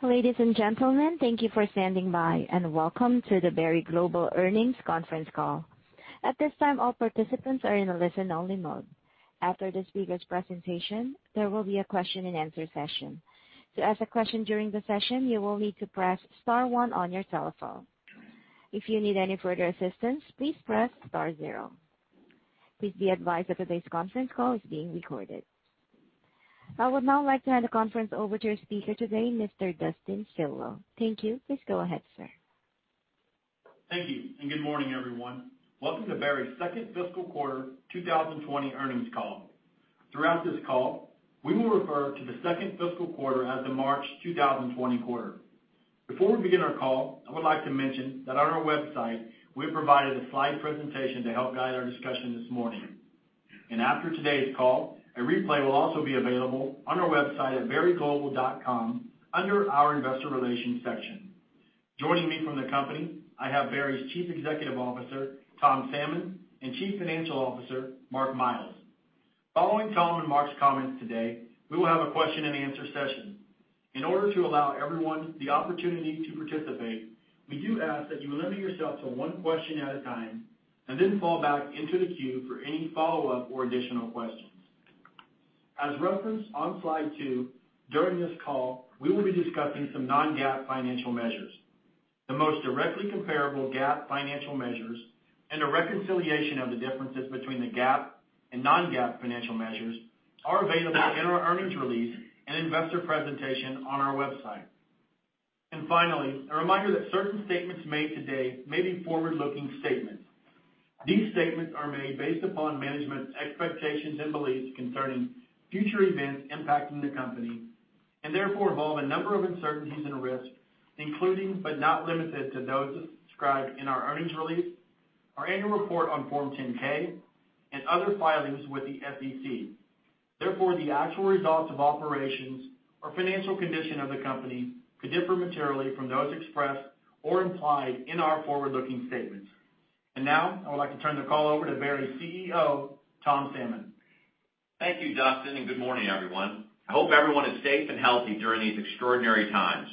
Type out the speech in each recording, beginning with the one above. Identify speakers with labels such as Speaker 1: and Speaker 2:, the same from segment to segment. Speaker 1: Ladies and gentlemen, thank you for standing by, welcome to the Berry Global earnings conference call. At this time, all participants are in listen-only mode. After the speaker's presentation, there will be a question and answer session. To ask a question during the session, you will need to press star one on your telephone. If you need any further assistance, please press star zero. Please be advised that today's conference call is being recorded. I would now like to hand the conference over to our speaker today, Mr. Dustin Stilwell. Thank you. Please go ahead, sir.
Speaker 2: Thank you. Good morning, everyone. Welcome to Berry's second fiscal quarter 2020 earnings call. Throughout this call, we will refer to the second fiscal quarter as the March 2020 quarter. Before we begin our call, I would like to mention that on our website, we have provided a slide presentation to help guide our discussion this morning. After today's call, a replay will also be available on our website at berryglobal.com under our investor relations section. Joining me from the company, I have Berry's Chief Executive Officer, Tom Salmon, and Chief Financial Officer, Mark Miles. Following Tom and Mark's comments today, we will have a question and answer session. In order to allow everyone the opportunity to participate, we do ask that you limit yourself to one question at a time, and then fall back into the queue for any follow-up or additional questions. As referenced on slide two, during this call, we will be discussing some non-GAAP financial measures. The most directly comparable GAAP financial measures, and a reconciliation of the differences between the GAAP and non-GAAP financial measures are available in our earnings release and investor presentation on our website. Finally, a reminder that certain statements made today may be forward-looking statements. These statements are made based upon management's expectations and beliefs concerning future events impacting the company, and therefore involve a number of uncertainties and risks, including, but not limited to, those described in our earnings release, our annual report on Form 10-K and other filings with the SEC. Therefore, the actual results of operations or financial condition of the company could differ materially from those expressed or implied in our forward-looking statements. Now, I would like to turn the call over to Berry's CEO, Tom Salmon.
Speaker 3: Thank you, Dustin. Good morning, everyone. I hope everyone is safe and healthy during these extraordinary times.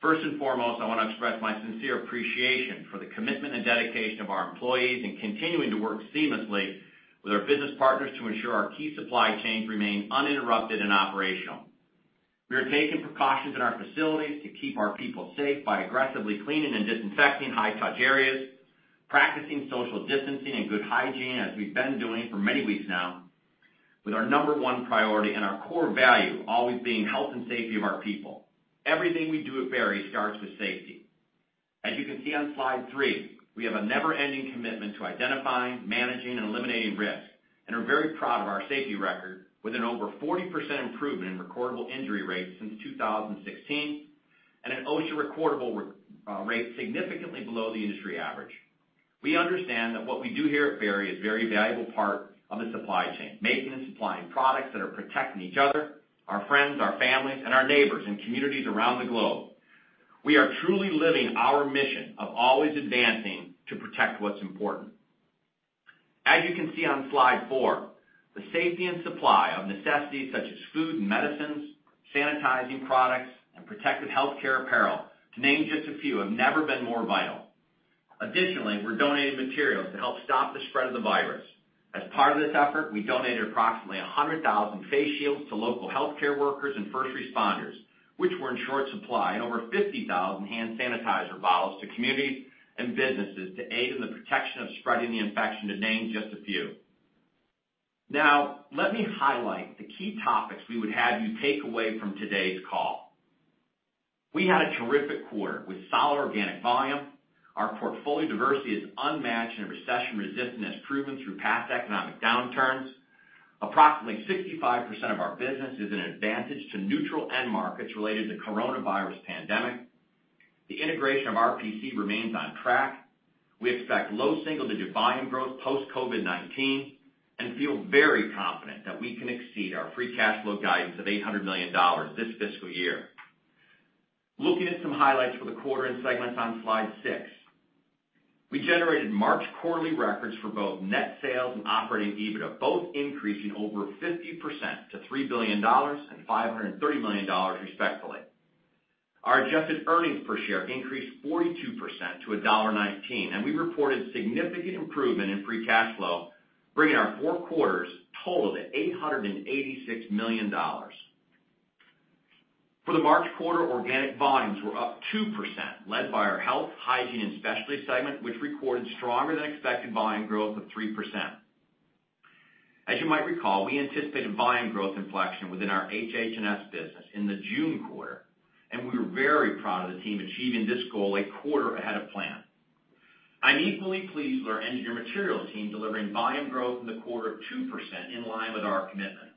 Speaker 3: First and foremost, I want to express my sincere appreciation for the commitment and dedication of our employees in continuing to work seamlessly with our business partners to ensure our key supply chains remain uninterrupted and operational. We are taking precautions in our facilities to keep our people safe by aggressively cleaning and disinfecting high-touch areas, practicing social distancing and good hygiene as we've been doing for many weeks now, with our number one priority and our core value always being health and safety of our people. Everything we do at Berry starts with safety. As you can see on slide three, we have a never-ending commitment to identifying, managing, and eliminating risk, and are very proud of our safety record, with an over 40% improvement in recordable injury rates since 2016, and an OSHA recordable rate significantly below the industry average. We understand that what we do here at Berry is a very valuable part of the supply chain, making and supplying products that are protecting each other, our friends, our families, and our neighbors in communities around the globe. We are truly living our mission of always advancing to protect what's important. As you can see on slide four, the safety and supply of necessities such as food and medicines, sanitizing products, and protective healthcare apparel, to name just a few, have never been more vital. Additionally, we're donating materials to help stop the spread of the virus. As part of this effort, we donated approximately 100,000 face shields to local healthcare workers and first responders, which were in short supply, and over 50,000 hand sanitizer bottles to communities and businesses to aid in the protection of spreading the infection, to name just a few. Let me highlight the key topics we would have you take away from today's call. We had a terrific quarter with solid organic volume. Our portfolio diversity is unmatched and recession resistant, as proven through past economic downturns. Approximately 65% of our business is an advantage to neutral end markets related to the coronavirus pandemic. The integration of RPC remains on track. We expect low single-digit volume growth post-COVID-19, and feel very confident that we can exceed our free cash flow guidance of $800 million this fiscal year. Looking at some highlights for the quarter and segments on slide six. We generated March quarterly records for both net sales and operating EBITDA, both increasing over 50% to $3 billion and $530 million respectively. Our adjusted earnings per share increased 42% to $1.19, and we reported significant improvement in free cash flow, bringing our four quarters total to $886 million. For the March quarter, organic volumes were up 2%, led by our Health, Hygiene & Specialties segment, which recorded stronger than expected volume growth of 3%. As you might recall, we anticipated volume growth inflection within our HH&S business in the June quarter, and we were very proud of the team achieving this goal a quarter ahead of plan. I'm equally pleased with our Engineered Materials team delivering volume growth in the quarter of 2%, in line with our commitment.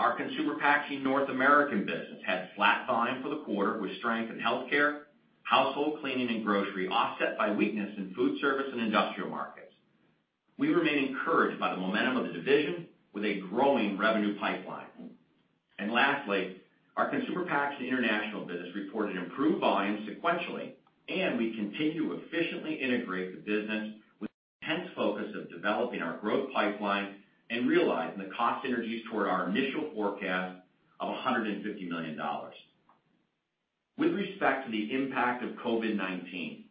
Speaker 3: Our Consumer Packaging North America business had flat volume for the quarter, with strength in healthcare, household cleaning, and grocery offset by weakness in food service and industrial markets. Lastly, our Consumer Packaging International business reported improved volume sequentially, and we continue to efficiently integrate the business with focus of developing our growth pipeline and realizing the cost synergies toward our initial forecast of $150 million. With respect to the impact of COVID-19,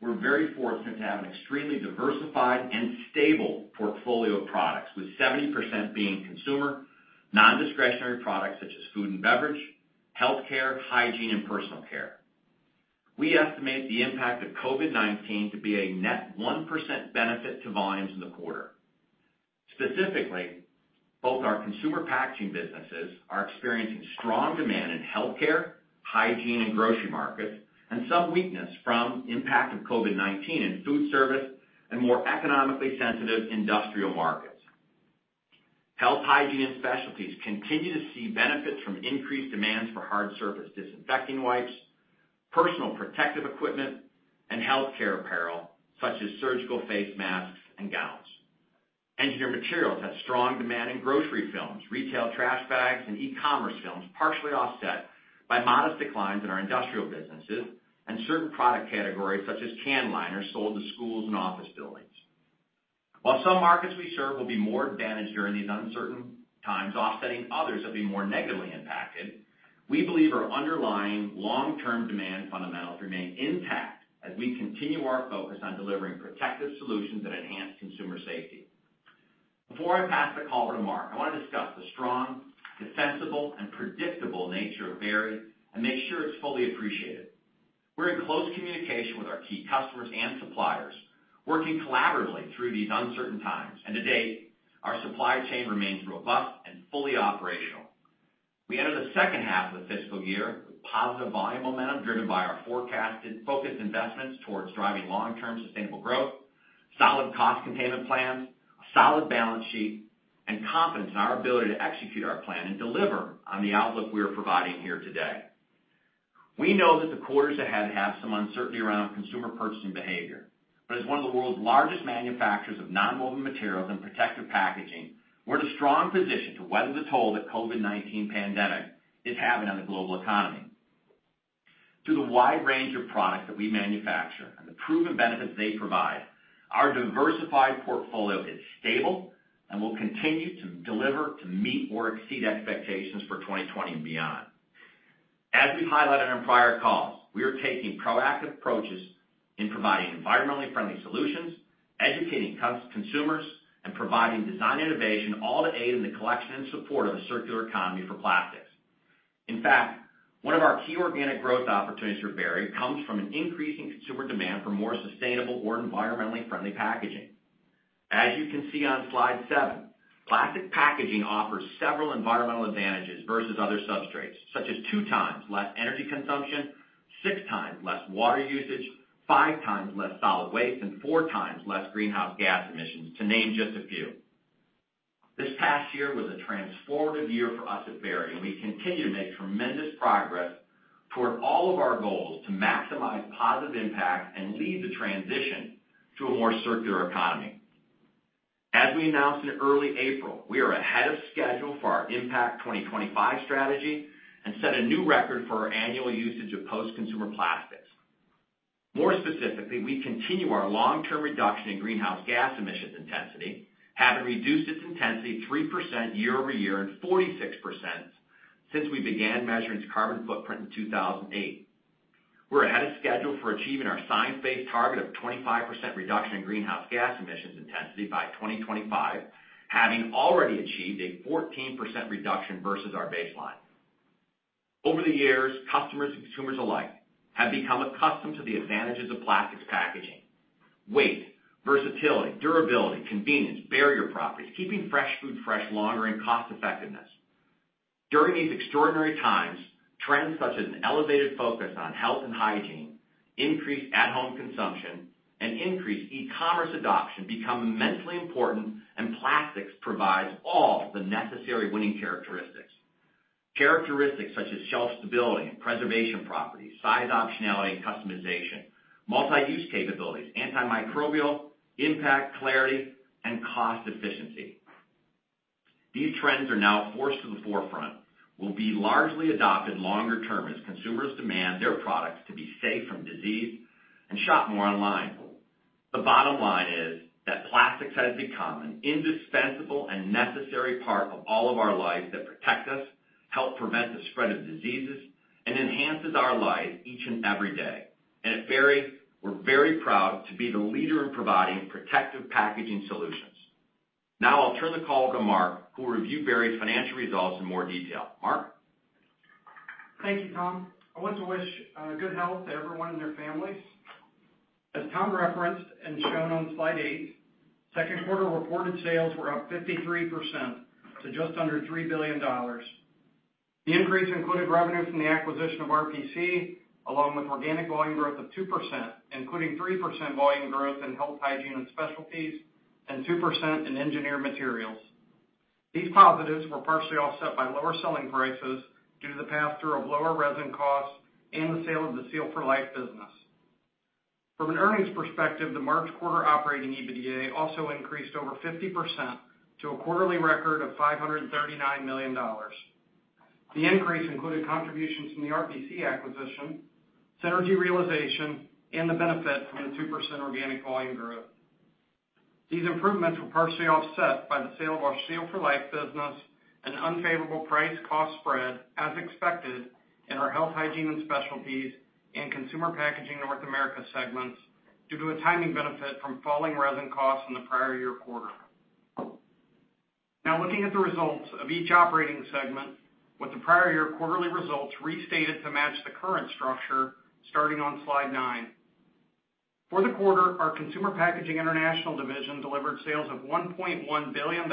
Speaker 3: we're very fortunate to have an extremely diversified and stable portfolio of products, with 70% being consumer, non-discretionary products such as food and beverage, healthcare, hygiene, and personal care. We estimate the impact of COVID-19 to be a net 1% benefit to volumes in the quarter. Specifically, both our consumer packaging businesses are experiencing strong demand in healthcare, hygiene, and grocery markets, and some weakness from impact of COVID-19 in food service and more economically sensitive industrial markets. Health, Hygiene & Specialties continue to see benefits from increased demands for hard surface disinfecting wipes, personal protective equipment, and healthcare apparel, such as surgical face masks and gowns. Engineered Materials had strong demand in grocery films, retail trash bags, and e-commerce films, partially offset by modest declines in our industrial businesses and certain product categories such as can liners sold to schools and office buildings. While some markets we serve will be more advantaged during these uncertain times, offsetting others that will be more negatively impacted, we believe our underlying long-term demand fundamentals remain intact as we continue our focus on delivering protective solutions that enhance consumer safety. Before I pass the call to Mark, I want to discuss the strong, defensible, and predictable nature of Berry and make sure it's fully appreciated. We're in close communication with our key customers and suppliers, working collaboratively through these uncertain times. To date, our supply chain remains robust and fully operational. We enter the second half of the fiscal year with positive volume momentum driven by our forecasted focused investments towards driving long-term sustainable growth, solid cost containment plans, a solid balance sheet, and confidence in our ability to execute our plan and deliver on the outlook we are providing here today. We know that the quarters ahead have some uncertainty around consumer purchasing behavior, as one of the world's largest manufacturers of nonwoven materials and protective packaging, we're in a strong position to weather the toll that COVID-19 pandemic is having on the global economy. Through the wide range of products that we manufacture and the proven benefits they provide, our diversified portfolio is stable and will continue to deliver to meet or exceed expectations for 2020 and beyond. As we highlighted on prior calls, we are taking proactive approaches in providing environmentally friendly solutions, educating consumers, and providing design innovation, all to aid in the collection and support of a circular economy for plastics. In fact, one of our key organic growth opportunities for Berry comes from an increasing consumer demand for more sustainable or environmentally friendly packaging. As you can see on slide seven, plastic packaging offers several environmental advantages versus other substrates, such as two times less energy consumption, six times less water usage, five times less solid waste, and four times less greenhouse gas emissions, to name just a few. This past year was a transformative year for us at Berry, and we continue to make tremendous progress toward all of our goals to maximize positive impact and lead the transition to a more circular economy. As we announced in early April, we are ahead of schedule for our Impact 2025 strategy and set a new record for our annual usage of post-consumer plastics. More specifically, we continue our long-term reduction in greenhouse gas emissions intensity, having reduced its intensity 3% year-over-year and 46% since we began measuring carbon footprint in 2008. We're ahead of schedule for achieving our science-based target of 25% reduction in greenhouse gas emissions intensity by 2025, having already achieved a 14% reduction versus our baseline. Over the years, customers and consumers alike have become accustomed to the advantages of plastics packaging, weight, versatility, durability, convenience, barrier properties, keeping fresh food fresh longer, and cost effectiveness. During these extraordinary times, trends such as an elevated focus on health and hygiene, increased at-home consumption, and increased e-commerce adoption become immensely important. Plastics provides all the necessary winning characteristics, such as shelf stability, preservation properties, size optionality and customization, multi-use capabilities, antimicrobial, impact, clarity, and cost efficiency. These trends are now forced to the forefront, will be largely adopted longer term as consumers demand their products to be safe from disease and shop more online. The bottom line is that plastics has become an indispensable and necessary part of all of our lives that protect us, help prevent the spread of diseases, and enhances our lives each and every day. At Berry, we're very proud to be the leader in providing protective packaging solutions. Now I'll turn the call to Mark, who will review Berry's financial results in more detail. Mark?
Speaker 4: Thank you, Tom. I want to wish good health to everyone and their families. As Tom referenced and shown on slide eight, second quarter reported sales were up 53% to just under $3 billion. The increase included revenue from the acquisition of RPC, along with organic volume growth of 2%, including 3% volume growth in Health, Hygiene & Specialties, and 2% in Engineered Materials. These positives were partially offset by lower selling prices due to the pass-through of lower resin costs and the sale of the Seal for Life business. From an earnings perspective, the March quarter operating EBITDA also increased over 50% to a quarterly record of $539 million. The increase included contributions from the RPC acquisition, synergy realization, and the benefit from the 2% organic volume growth. These improvements were partially offset by the sale of our Seal for Life business and unfavorable price cost spread, as expected, in our Health, Hygiene & Specialties and Consumer Packaging North America segments due to a timing benefit from falling resin costs in the prior year quarter. Looking at the results of each operating segment with the prior year quarterly results restated to match the current structure, starting on slide nine. For the quarter, our Consumer Packaging International division delivered sales of $1.1 billion,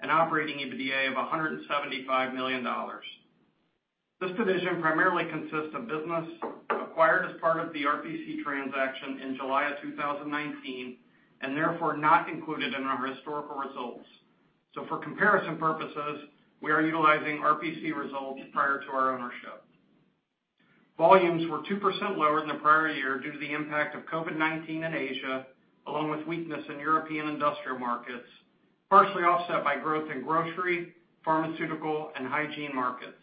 Speaker 4: and operating EBITDA of $175 million. This division primarily consists of business acquired as part of the RPC transaction in July of 2019, and therefore, not included in our historical results. For comparison purposes, we are utilizing RPC results prior to our ownership. Volumes were 2% lower than the prior year due to the impact of COVID-19 in Asia, along with weakness in European industrial markets, partially offset by growth in grocery, pharmaceutical, and hygiene markets.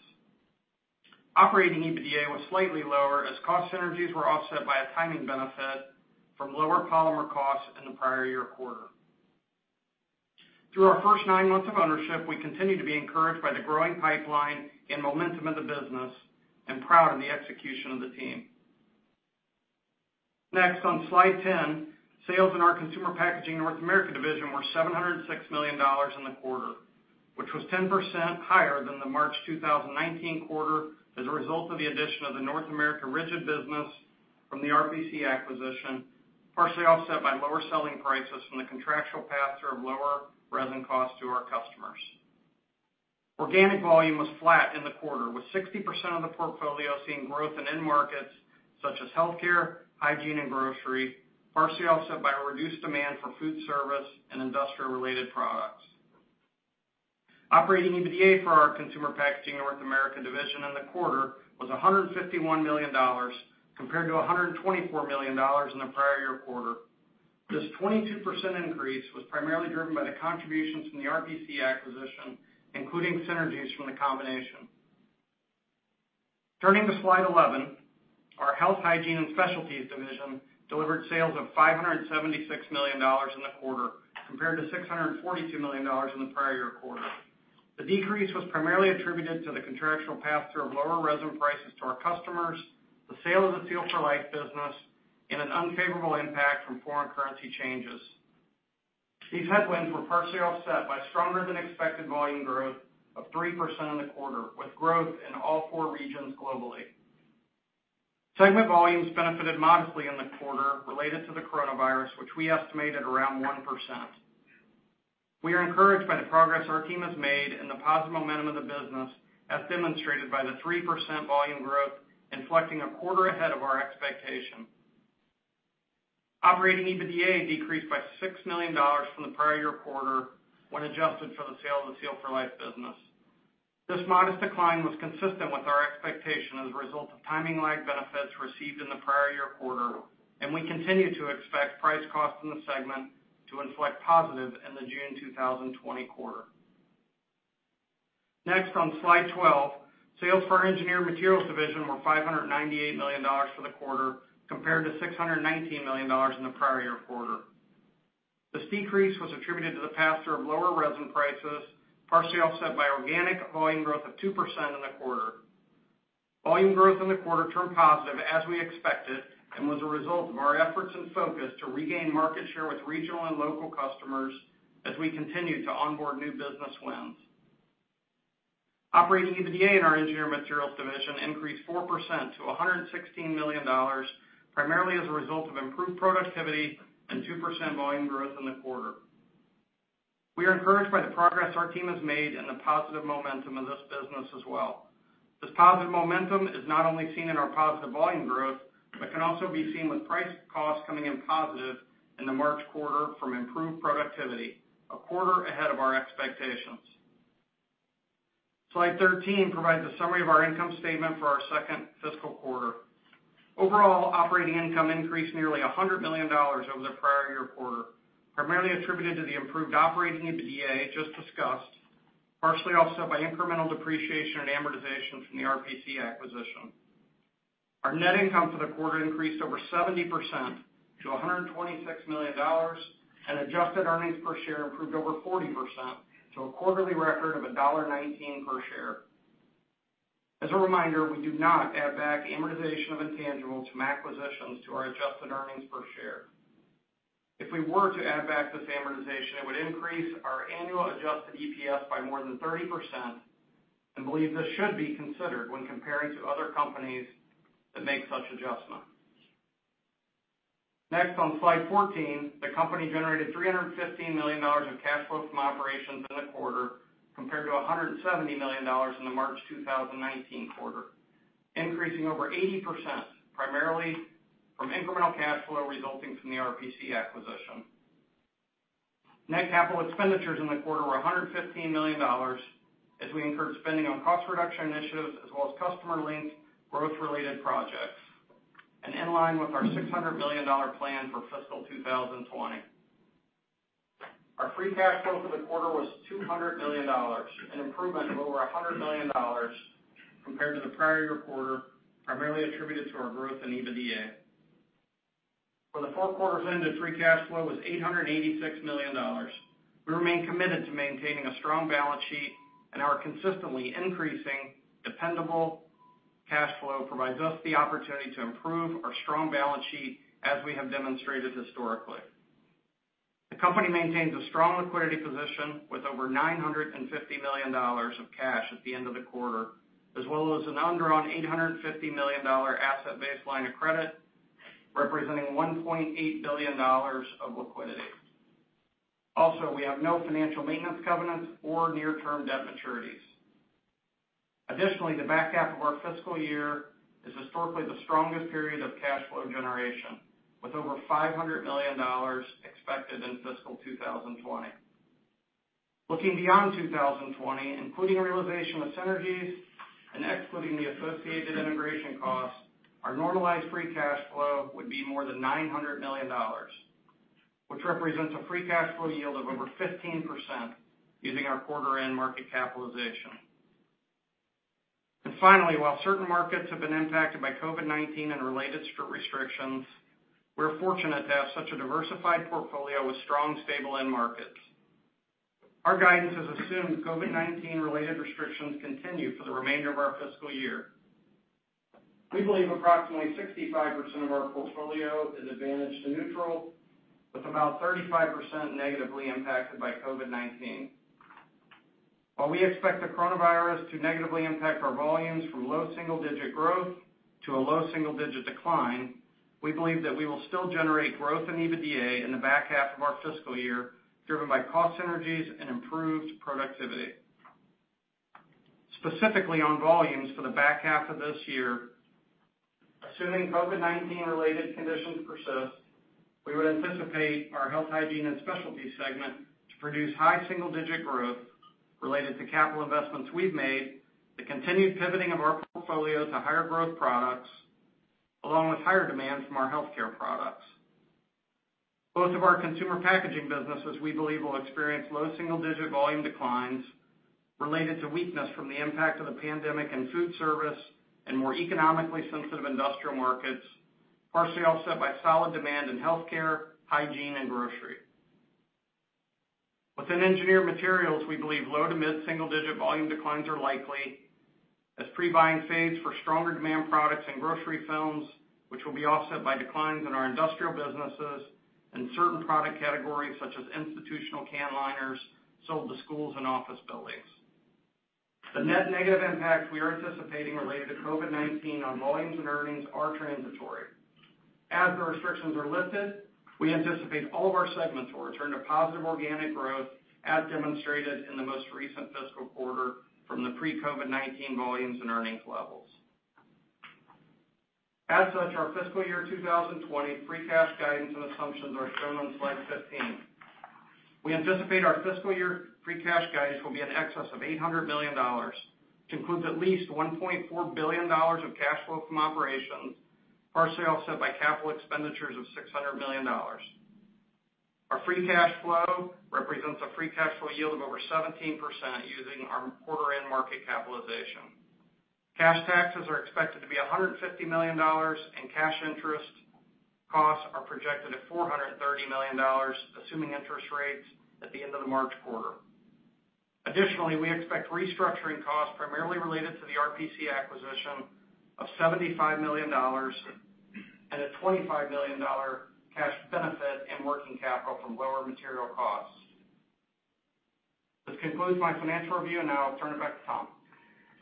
Speaker 4: Operating EBITDA was slightly lower as cost synergies were offset by a timing benefit from lower polymer costs in the prior year quarter. Through our first nine months of ownership, we continue to be encouraged by the growing pipeline and momentum of the business, and proud of the execution of the team. Next, on slide 10, sales in our Consumer Packaging North America division were $706 million in the quarter, which was 10% higher than the March 2019 quarter as a result of the addition of the North America Rigid business from the RPC acquisition, partially offset by lower selling prices from the contractual pass-through of lower resin costs to our customers. Organic volume was flat in the quarter, with 60% of the portfolio seeing growth in end markets such as healthcare, hygiene, and grocery, partially offset by a reduced demand for food service and industrial-related products. Operating EBITDA for our Consumer Packaging North America division in the quarter was $151 million, compared to $124 million in the prior year quarter. This 22% increase was primarily driven by the contributions from the RPC acquisition, including synergies from the combination. Turning to slide 11, our Health, Hygiene and Specialties division delivered sales of $576 million in the quarter, compared to $642 million in the prior year quarter. The decrease was primarily attributed to the contractual pass-through of lower resin prices to our customers, the sale of the Seal for Life business, and an unfavorable impact from foreign currency changes. These headwinds were partially offset by stronger-than-expected volume growth of 3% in the quarter, with growth in all four regions globally. Segment volumes benefited modestly in the quarter related to the coronavirus, which we estimate at around 1%. We are encouraged by the progress our team has made and the positive momentum of the business, as demonstrated by the 3% volume growth inflecting a quarter ahead of our expectation. Operating EBITDA decreased by $6 million from the prior year quarter when adjusted for the sale of the Seal for Life business. This modest decline was consistent with our expectation as a result of timing lag benefits received in the prior year quarter, and we continue to expect price cost in the segment to inflect positive in the June 2020 quarter. Next, on slide 12, sales for our Engineered Materials division were $598 million for the quarter, compared to $619 million in the prior year quarter. This decrease was attributed to the pass-through of lower resin prices, partially offset by organic volume growth of 2% in the quarter. Volume growth in the quarter turned positive as we expected, and was a result of our efforts and focus to regain market share with regional and local customers as we continue to onboard new business wins. Operating EBITDA in our Engineered Materials division increased 4% to $116 million, primarily as a result of improved productivity and 2% volume growth in the quarter. We are encouraged by the progress our team has made and the positive momentum of this business as well. This positive momentum is not only seen in our positive volume growth, but can also be seen with price cost coming in positive in the March quarter from improved productivity, a quarter ahead of our expectations. Slide 13 provides a summary of our income statement for our second fiscal quarter. Overall, operating income increased nearly $100 million over the prior year quarter, primarily attributed to the improved operating EBITDA just discussed, partially offset by incremental depreciation and amortization from the RPC acquisition. Our net income for the quarter increased over 70% to $126 million, and adjusted earnings per share improved over 40% to a quarterly record of $1.19 per share. As a reminder, we do not add back amortization of intangibles from acquisitions to our adjusted earnings per share. If we were to add back this amortization, it would increase our annual adjusted EPS by more than 30%, and believe this should be considered when comparing to other companies that make such adjustments. On slide 14, the company generated $315 million in cash flow from operations in the quarter, compared to $170 million in the March 2019 quarter, increasing over 80%, primarily from incremental cash flow resulting from the RPC acquisition. Net capital expenditures in the quarter were $115 million, as we incurred spending on cost reduction initiatives as well as customer-linked growth-related projects, and in line with our $600 million plan for fiscal 2020. Our free cash flow for the quarter was $200 million, an improvement of over $100 million compared to the prior year quarter, primarily attributed to our growth in EBITDA. For the four quarters ended, free cash flow was $886 million. We remain committed to maintaining a strong balance sheet. Our consistently increasing dependable cash flow provides us the opportunity to improve our strong balance sheet as we have demonstrated historically. The company maintains a strong liquidity position with over $950 million of cash at the end of the quarter, as well as an undrawn $850 million asset-based line of credit, representing $1.8 billion of liquidity. We have no financial maintenance covenants or near-term debt maturities. The back half of our fiscal year is historically the strongest period of cash flow generation, with over $500 million expected in fiscal 2020. Looking beyond 2020, including realization with synergies and excluding the associated integration costs, our normalized free cash flow would be more than $900 million, which represents a free cash flow yield of over 15% using our quarter end market capitalization. Finally, while certain markets have been impacted by COVID-19 and related strict restrictions, we are fortunate to have such a diversified portfolio with strong, stable end markets. Our guidance has assumed COVID-19 related restrictions continue for the remainder of our fiscal year. We believe approximately 65% of our portfolio is advantage to neutral, with about 35% negatively impacted by COVID-19. While we expect the coronavirus to negatively impact our volumes from low single-digit growth to a low single-digit decline, we believe that we will still generate growth in EBITDA in the back half of our fiscal year, driven by cost synergies and improved productivity. Specifically on volumes for the back half of this year, assuming COVID-19 related conditions persist, we would anticipate our Health, Hygiene & Specialties segment to produce high single-digit growth related to capital investments we've made, the continued pivoting of our portfolio to higher growth products, along with higher demand from our healthcare products. Both of our consumer packaging businesses, we believe will experience low single-digit volume declines related to weakness from the impact of the pandemic and food service and more economically sensitive industrial markets, partially offset by solid demand in healthcare, hygiene, and grocery. Within Engineered Materials, we believe low to mid single-digit volume declines are likely as pre-buying fades for stronger demand products and grocery films, which will be offset by declines in our industrial businesses and certain product categories such as institutional can liners sold to schools and office buildings. The net negative impacts we are anticipating related to COVID-19 on volumes and earnings are transitory. As the restrictions are lifted, we anticipate all of our segments will return to positive organic growth, as demonstrated in the most recent fiscal quarter from the pre-COVID-19 volumes and earnings levels. As such, our fiscal year 2020 free cash guidance and assumptions are shown on slide 15. We anticipate our fiscal year free cash guidance will be in excess of $800 million, which includes at least $1.4 billion of cash flow from operations, partially offset by capital expenditures of $600 million. Our free cash flow represents a free cash flow yield of over 17% using our quarter end market capitalization. Cash taxes are expected to be $150 million, and cash interest costs are projected at $430 million, assuming interest rates at the end of the March quarter. Additionally, we expect restructuring costs primarily related to the RPC acquisition of $75 million and a $25 million cash benefit in working capital from lower material costs. This concludes my financial review, and now I'll turn it back to Tom.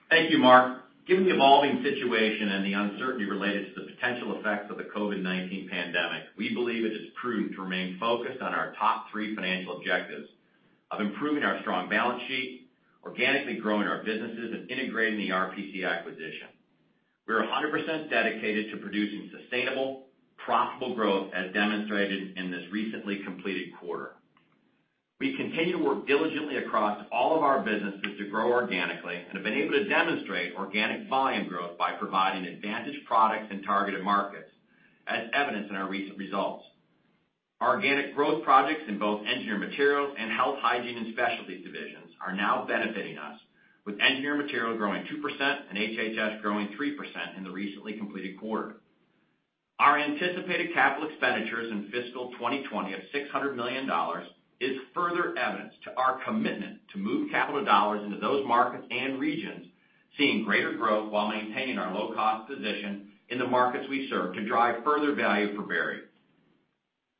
Speaker 3: Thank you, Mark. Given the evolving situation and the uncertainty related to the potential effects of the COVID-19 pandemic, we believe it is prudent to remain focused on our top three financial objectives of improving our strong balance sheet, organically growing our businesses, and integrating the RPC acquisition. We are 100% dedicated to producing sustainable, profitable growth, as demonstrated in this recently completed quarter. We continue to work diligently across all of our businesses to grow organically and have been able to demonstrate organic volume growth by providing advantage products and targeted markets, as evidenced in our recent results. Our organic growth projects in both Engineered Materials and Health, Hygiene & Specialties divisions are now benefiting us with Engineered Materials growing 2% and HH&S growing 3% in the recently completed quarter. Our anticipated capital expenditures in fiscal 2020 of $600 million is further evidence to our commitment to move capital dollars into those markets and regions seeing greater growth while maintaining our low-cost position in the markets we serve to drive further value for Berry.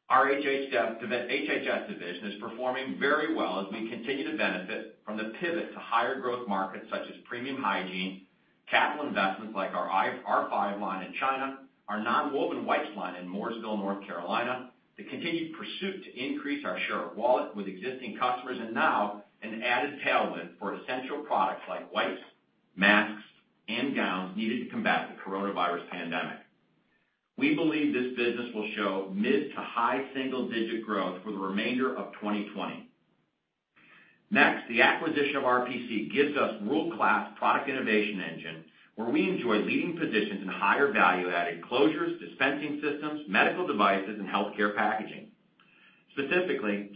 Speaker 3: Our HH&S division is performing very well as we continue to benefit from the pivot to higher growth markets such as premium hygiene, capital investments like our R5 line in China, our nonwoven wipes line in Mooresville, North Carolina, the continued pursuit to increase our share of wallet with existing customers, and now an added tailwind for essential products like wipes, masks, and gowns needed to combat the coronavirus pandemic. We believe this business will show mid to high single-digit growth for the remainder of 2020. The acquisition of RPC gives us world-class product innovation engine where we enjoy leading positions in higher value-added closures, dispensing systems, medical devices, and healthcare packaging.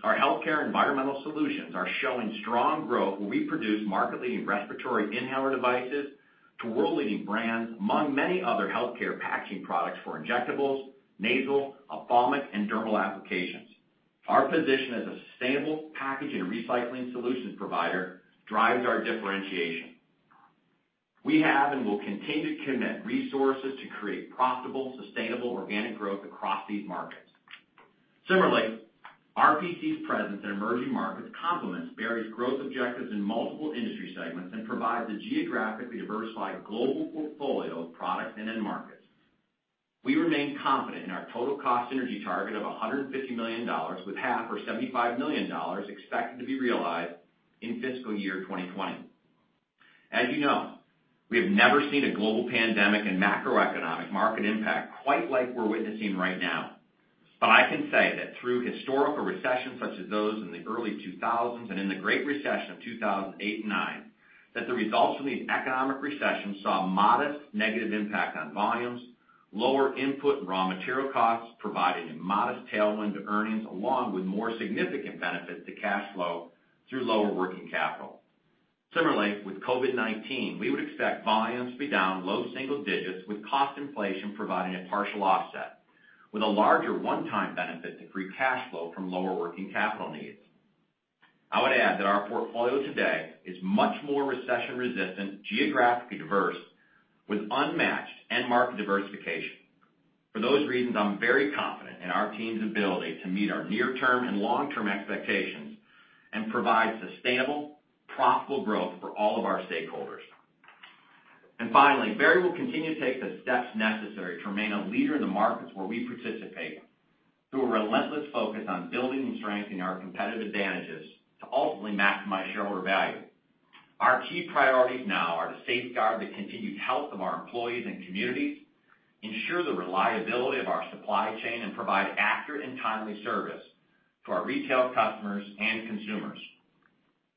Speaker 3: Our healthcare environmental solutions are showing strong growth where we produce market-leading respiratory inhaler devices to world-leading brands, among many other healthcare packaging products for injectables, nasal, ophthalmic, and dermal applications. Our position as a sustainable packaging and recycling solutions provider drives our differentiation. We have and will continue to commit resources to create profitable, sustainable organic growth across these markets. RPC's presence in emerging markets complements Berry's growth objectives in multiple industry segments and provides a geographically diversified global portfolio of products and end markets. We remain confident in our total cost synergy target of $150 million with half or $75 million expected to be realized in fiscal year 2020. As you know, we have never seen a global pandemic and macroeconomic market impact quite like we're witnessing right now. I can say that through historical recessions such as those in the early 2000s and in the Great Recession of 2008 and '09, that the results from these economic recessions saw a modest negative impact on volumes, lower input and raw material costs, providing a modest tailwind to earnings along with more significant benefits to cash flow through lower working capital. Similarly, with COVID-19, we would expect volumes to be down low single digits with cost inflation providing a partial offset, with a larger one-time benefit to free cash flow from lower working capital needs. I would add that our portfolio today is much more recession-resistant, geographically diverse, with unmatched end market diversification. For those reasons, I'm very confident in our team's ability to meet our near-term and long-term expectations and provide sustainable, profitable growth for all of our stakeholders. Finally, Berry will continue to take the steps necessary to remain a leader in the markets where we participate through a relentless focus on building and strengthening our competitive advantages to ultimately maximize shareholder value. Our key priorities now are to safeguard the continued health of our employees and communities, ensure the reliability of our supply chain, and provide accurate and timely service to our retail customers and consumers.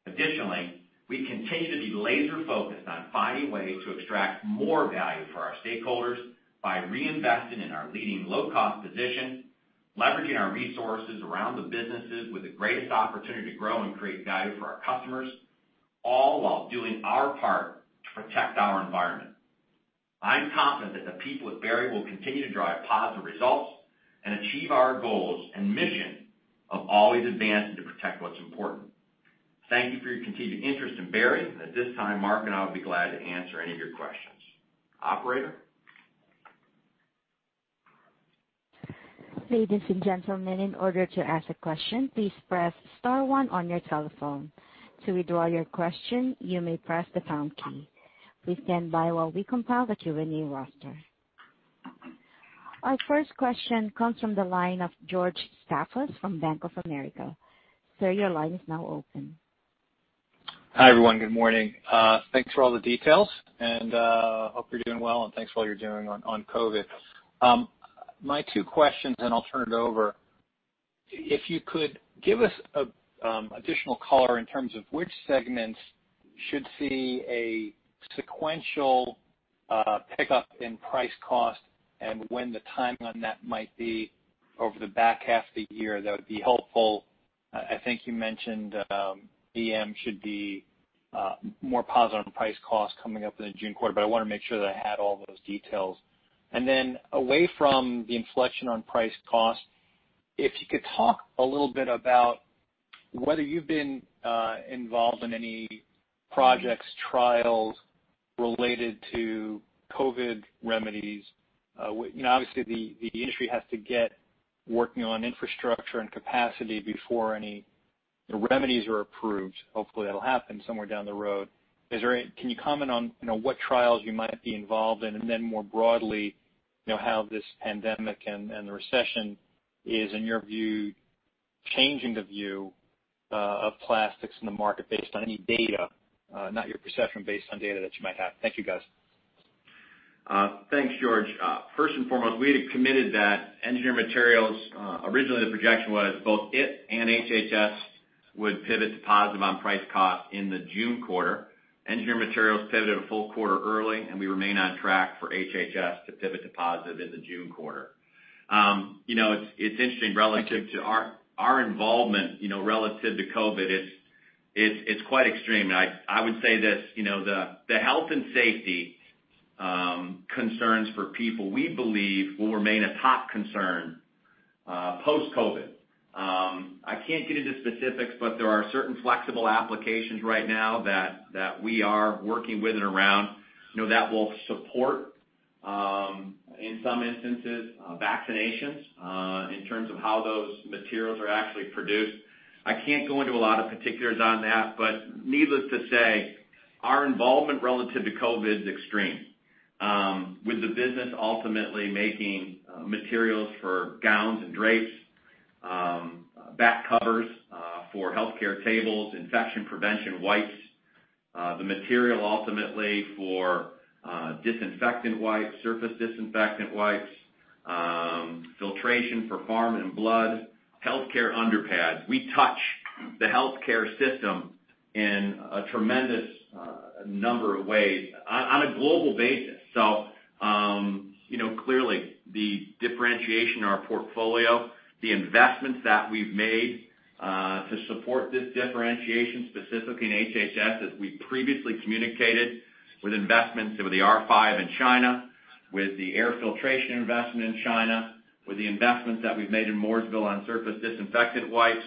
Speaker 3: Additionally, we continue to be laser-focused on finding ways to extract more value for our stakeholders by reinvesting in our leading low-cost position, leveraging our resources around the businesses with the greatest opportunity to grow and create value for our customers, all while doing our part to protect our environment. I'm confident that the people at Berry will continue to drive positive results and achieve our goals and mission of always advancing to protect what's important. Thank you for your continued interest in Berry. At this time, Mark and I will be glad to answer any of your questions. Operator?
Speaker 1: Ladies and gentlemen, in order to ask a question, please press *1 on your telephone. To withdraw your question, you may press the# key. Please stand by while we compile the Q&A roster. Our first question comes from the line of George Staphos from Bank of America. Sir, your line is now open.
Speaker 5: Hi, everyone. Good morning. Thanks for all the details, and hope you're doing well, and thanks for all you're doing on COVID. My two questions. I'll turn it over. If you could give us an additional color in terms of which segments should see a sequential pickup in price cost and when the timeline on that might be over the back half of the year, that would be helpful. I think you mentioned EM should be more positive on price cost coming up in the June quarter, but I want to make sure that I had all those details. Away from the inflection on price cost, if you could talk a little bit about whether you've been involved in any projects, trials related to COVID remedies. Obviously, the industry has to get working on infrastructure and capacity before any remedies are approved. Hopefully, that'll happen somewhere down the road. Can you comment on what trials you might be involved in? More broadly how this pandemic and the recession is, in your view, changing the view of plastics in the market based on any data, not your perception, based on data that you might have. Thank you, guys.
Speaker 3: Thanks, George. First and foremost, we had committed that Engineered Materials, originally the projection was both it and HHS would pivot to positive on price cost in the June quarter. Engineered Materials pivoted a full quarter early, and we remain on track for HHS to pivot to positive in the June quarter. It's interesting relative to our involvement relative to COVID, it's quite extreme. I would say this, the health and safety concerns for people, we believe, will remain a top concern post-COVID. I can't get into specifics, but there are certain flexible applications right now that we are working with and around that will support in some instances, vaccinations in terms of how those materials are actually produced. I can't go into a lot of particulars on that, but needless to say, our involvement relative to COVID is extreme. With the business ultimately making materials for gowns and drapes, back covers for healthcare tables, infection prevention wipes. The material ultimately for disinfectant wipes, surface disinfectant wipes, filtration for pharm and blood, healthcare underpads. We touch the healthcare system in a tremendous number of ways on a global basis. Clearly, the differentiation in our portfolio, the investments that we've made to support this differentiation, specifically in HHS, as we previously communicated with investments into the R5 in China, with the air filtration investment in China, with the investments that we've made in Mooresville on surface disinfectant wipes,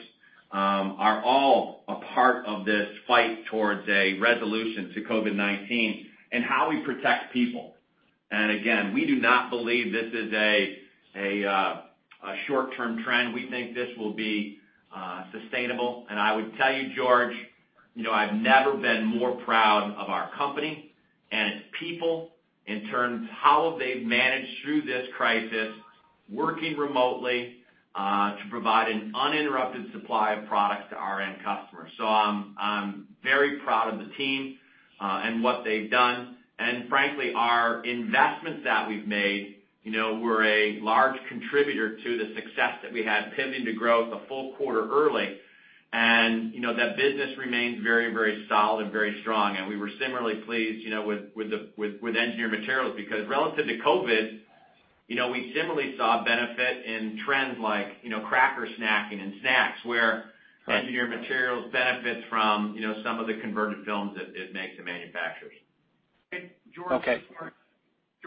Speaker 3: are all a part of this fight towards a resolution to COVID-19 and how we protect people. Again, we do not believe this is a short-term trend. We think this will be sustainable. I would tell you, George, I've never been more proud of our company and its people in terms of how they've managed through this crisis, working remotely, to provide an uninterrupted supply of products to our end customers. I'm very proud of the team, and what they've done. Frankly, our investments that we've made, we're a large contributor to the success that we had pivoting to growth a full quarter early. That business remains very solid and very strong. We were similarly pleased with Engineered Materials, because relative to COVID-19, we similarly saw benefit in trends like cracker snacking and snacks, where Engineered Materials benefits from some of the converted films that it makes to manufacturers.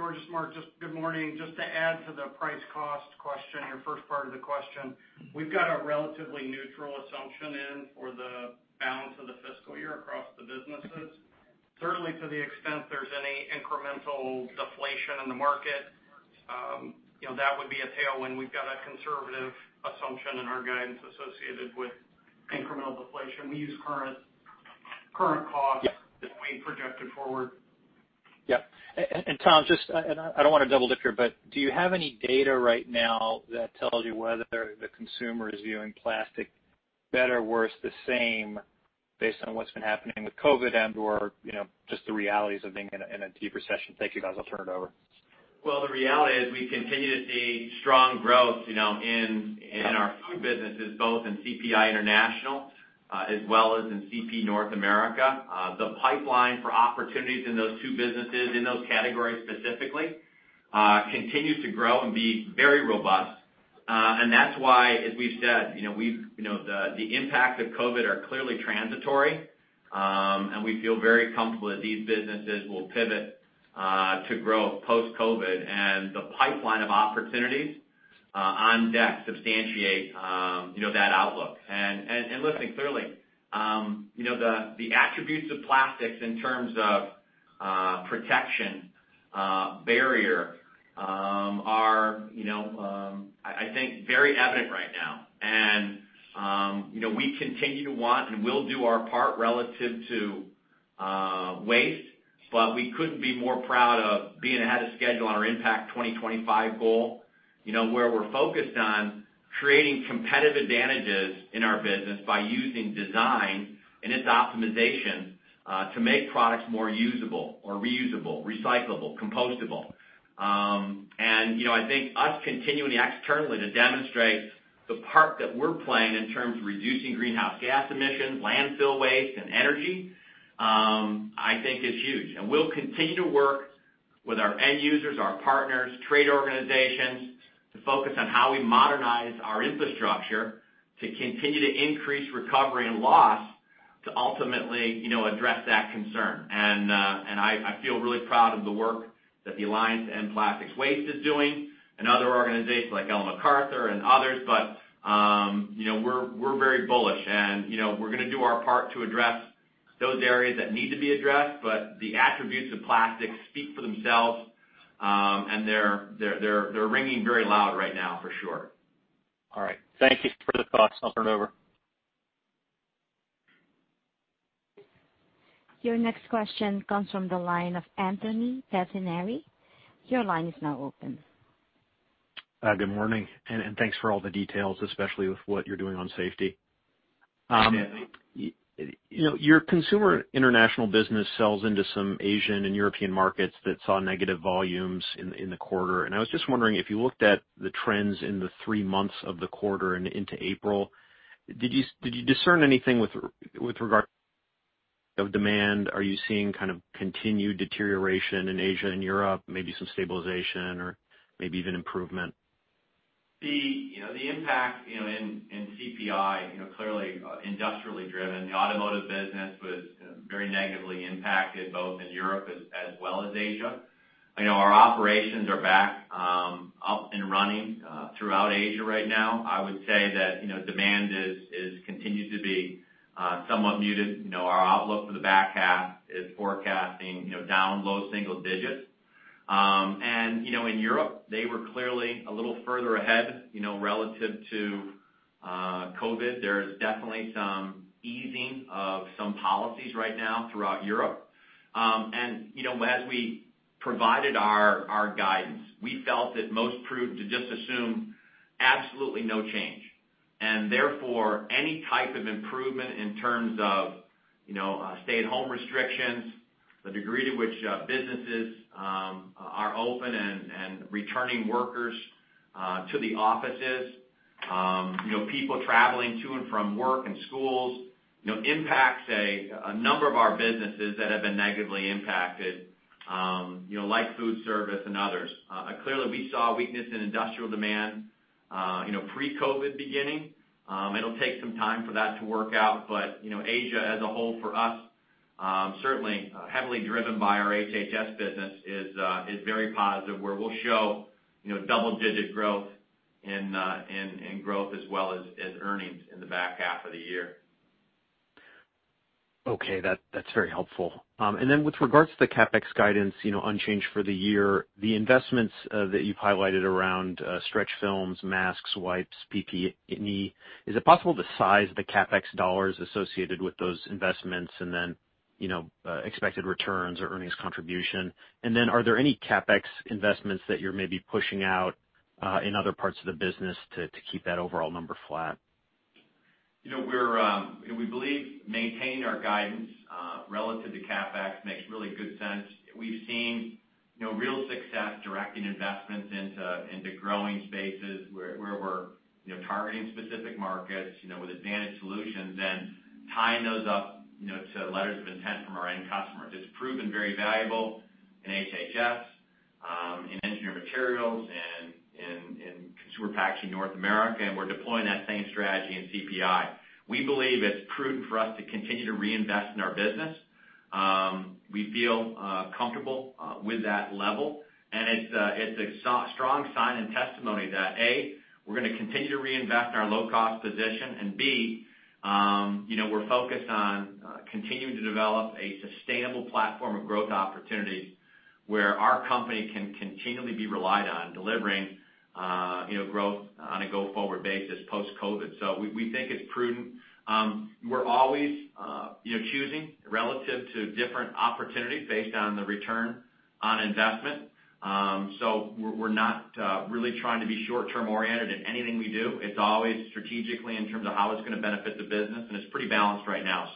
Speaker 3: George.
Speaker 5: Okay.
Speaker 4: George, it's Mark. Good morning. Just to add to the price cost question, your first part of the question, we've got a relatively neutral assumption in for the balance of the fiscal year across the businesses. Certainly, to the extent there's any incremental deflation in the market, that would be a tailwind. We've got a conservative assumption in our guidance associated with incremental deflation.
Speaker 5: Yep.
Speaker 4: as we project it forward.
Speaker 5: Yep. Tom, I don't want to double-dip here, but do you have any data right now that tells you whether the consumer is viewing plastic better or worse, the same, based on what's been happening with COVID and/or just the realities of being in a deep recession? Thank you, guys. I'll turn it over.
Speaker 3: Well, the reality is we continue to see strong growth in our food businesses, both in CPI International as well as in CP North America. That's why, as we've said, the impact of COVID are clearly transitory, and we feel very comfortable that these businesses will pivot to growth post-COVID, and the pipeline of opportunities on deck substantiate that outlook. Listen, clearly the attributes of plastics in terms of protection barrier are, I think, very evident right now. We continue to want, and will do our part relative to waste. We couldn't be more proud of being ahead of schedule on our Impact 2025 goal, where we're focused on creating competitive advantages in our business by using design and its optimization to make products more usable or reusable, recyclable, compostable. I think us continuing externally to demonstrate the part that we're playing in terms of reducing greenhouse gas emissions, landfill waste, and energy, I think is huge. We'll continue to work with our end users, our partners, trade organizations, to focus on how we modernize our infrastructure to continue to increase recovery and loss to ultimately address that concern. I feel really proud of the work that the Alliance to End Plastic Waste is doing and other organizations like Ellen MacArthur and others. We're very bullish and we're going to do our part to address those areas that need to be addressed. The attributes of plastics speak for themselves, and they're ringing very loud right now, for sure.
Speaker 5: All right. Thank you for the thoughts. I'll turn it over.
Speaker 1: Your next question comes from the line of Anthony Pettinari. Your line is now open.
Speaker 6: Good morning, and thanks for all the details, especially with what you're doing on safety.
Speaker 3: Yes.
Speaker 6: Your Consumer International business sells into some Asian and European markets that saw negative volumes in the quarter. I was just wondering if you looked at the trends in the three months of the quarter and into April, did you discern anything with regard of demand? Are you seeing kind of continued deterioration in Asia and Europe, maybe some stabilization or maybe even improvement?
Speaker 3: The impact in CPI, clearly industrially driven. The automotive business was very negatively impacted, both in Europe as well as Asia. Our operations are back up and running throughout Asia right now. I would say that demand continues to be somewhat muted. Our outlook for the back half is forecasting down low single digits. In Europe, they were clearly a little further ahead relative to COVID. There is definitely some easing of some policies right now throughout Europe. As we provided our guidance, we felt it most prudent to just assume absolutely no change. Therefore, any type of improvement in terms of stay-at-home restrictions, the degree to which businesses are open and returning workers to the offices, people traveling to and from work and schools, impacts a number of our businesses that have been negatively impacted, like food service and others. Clearly, we saw weakness in industrial demand, pre-COVID-19 beginning. It'll take some time for that to work out, but Asia as a whole for us, certainly heavily driven by our HHS business, is very positive, where we'll show double-digit growth in growth as well as in earnings in the back half of the year.
Speaker 6: Okay. That's very helpful. With regards to the CapEx guidance, unchanged for the year, the investments that you've highlighted around stretch films, masks, wipes, PPE. Is it possible to size the CapEx dollars associated with those investments, and then expected returns or earnings contribution? Are there any CapEx investments that you're maybe pushing out in other parts of the business to keep that overall number flat?
Speaker 3: We believe maintaining our guidance relative to CapEx makes really good sense. We've seen real success directing investments into growing spaces where we're targeting specific markets, with advantage solutions and tying those up to letters of intent from our end customers. It's proven very valuable in HHS, in Engineered Materials, in Consumer Packaging North America, and we're deploying that same strategy in CPI. We believe it's prudent for us to continue to reinvest in our business. We feel comfortable with that level, and it's a strong sign and testimony that, A, we're going to continue to reinvest in our low-cost position, and B, we're focused on continuing to develop a sustainable platform of growth opportunities where our company can continually be relied on delivering growth on a go-forward basis post-COVID. We think it's prudent. We're always choosing relative to different opportunities based on the return on investment. We're not really trying to be short-term oriented in anything we do. It's always strategically in terms of how it's going to benefit the business, and it's pretty balanced right now.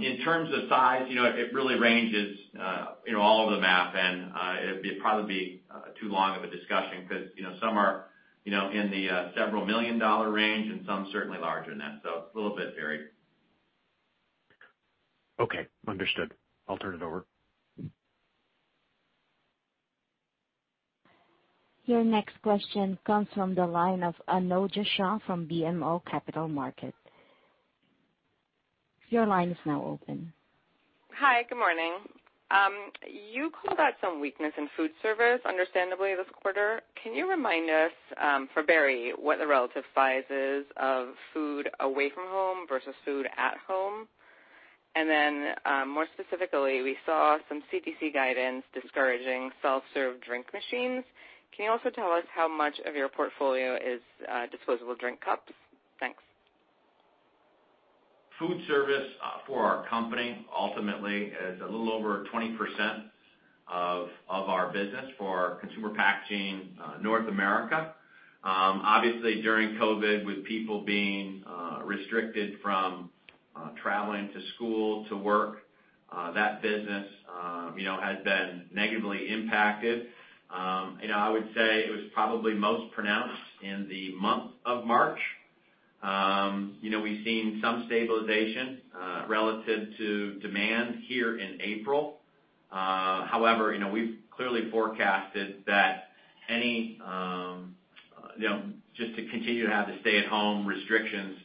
Speaker 3: In terms of size, it really ranges all over the map, and it'd probably be too long of a discussion because some are in the several million dollar range and some certainly larger than that. It's a little bit varied.
Speaker 6: Okay, understood. I'll turn it over.
Speaker 1: Your next question comes from the line of Anojja Shah from BMO Capital Markets. Your line is now open.
Speaker 7: Hi, good morning. You called out some weakness in food service, understandably, this quarter. Can you remind us, for Berry, what the relative size is of food away from home versus food at home? More specifically, we saw some CDC guidance discouraging self-serve drink machines. Can you also tell us how much of your portfolio is disposable drink cups? Thanks.
Speaker 3: Food service for our company ultimately is a little over 20% of our business for Consumer Packaging North America. Obviously, during COVID, with people being restricted from traveling to school to work, that business has been negatively impacted. I would say it was probably most pronounced in the month of March. We've seen some stabilization relative to demand here in April. We've clearly forecasted that just to continue to have the stay-at-home restrictions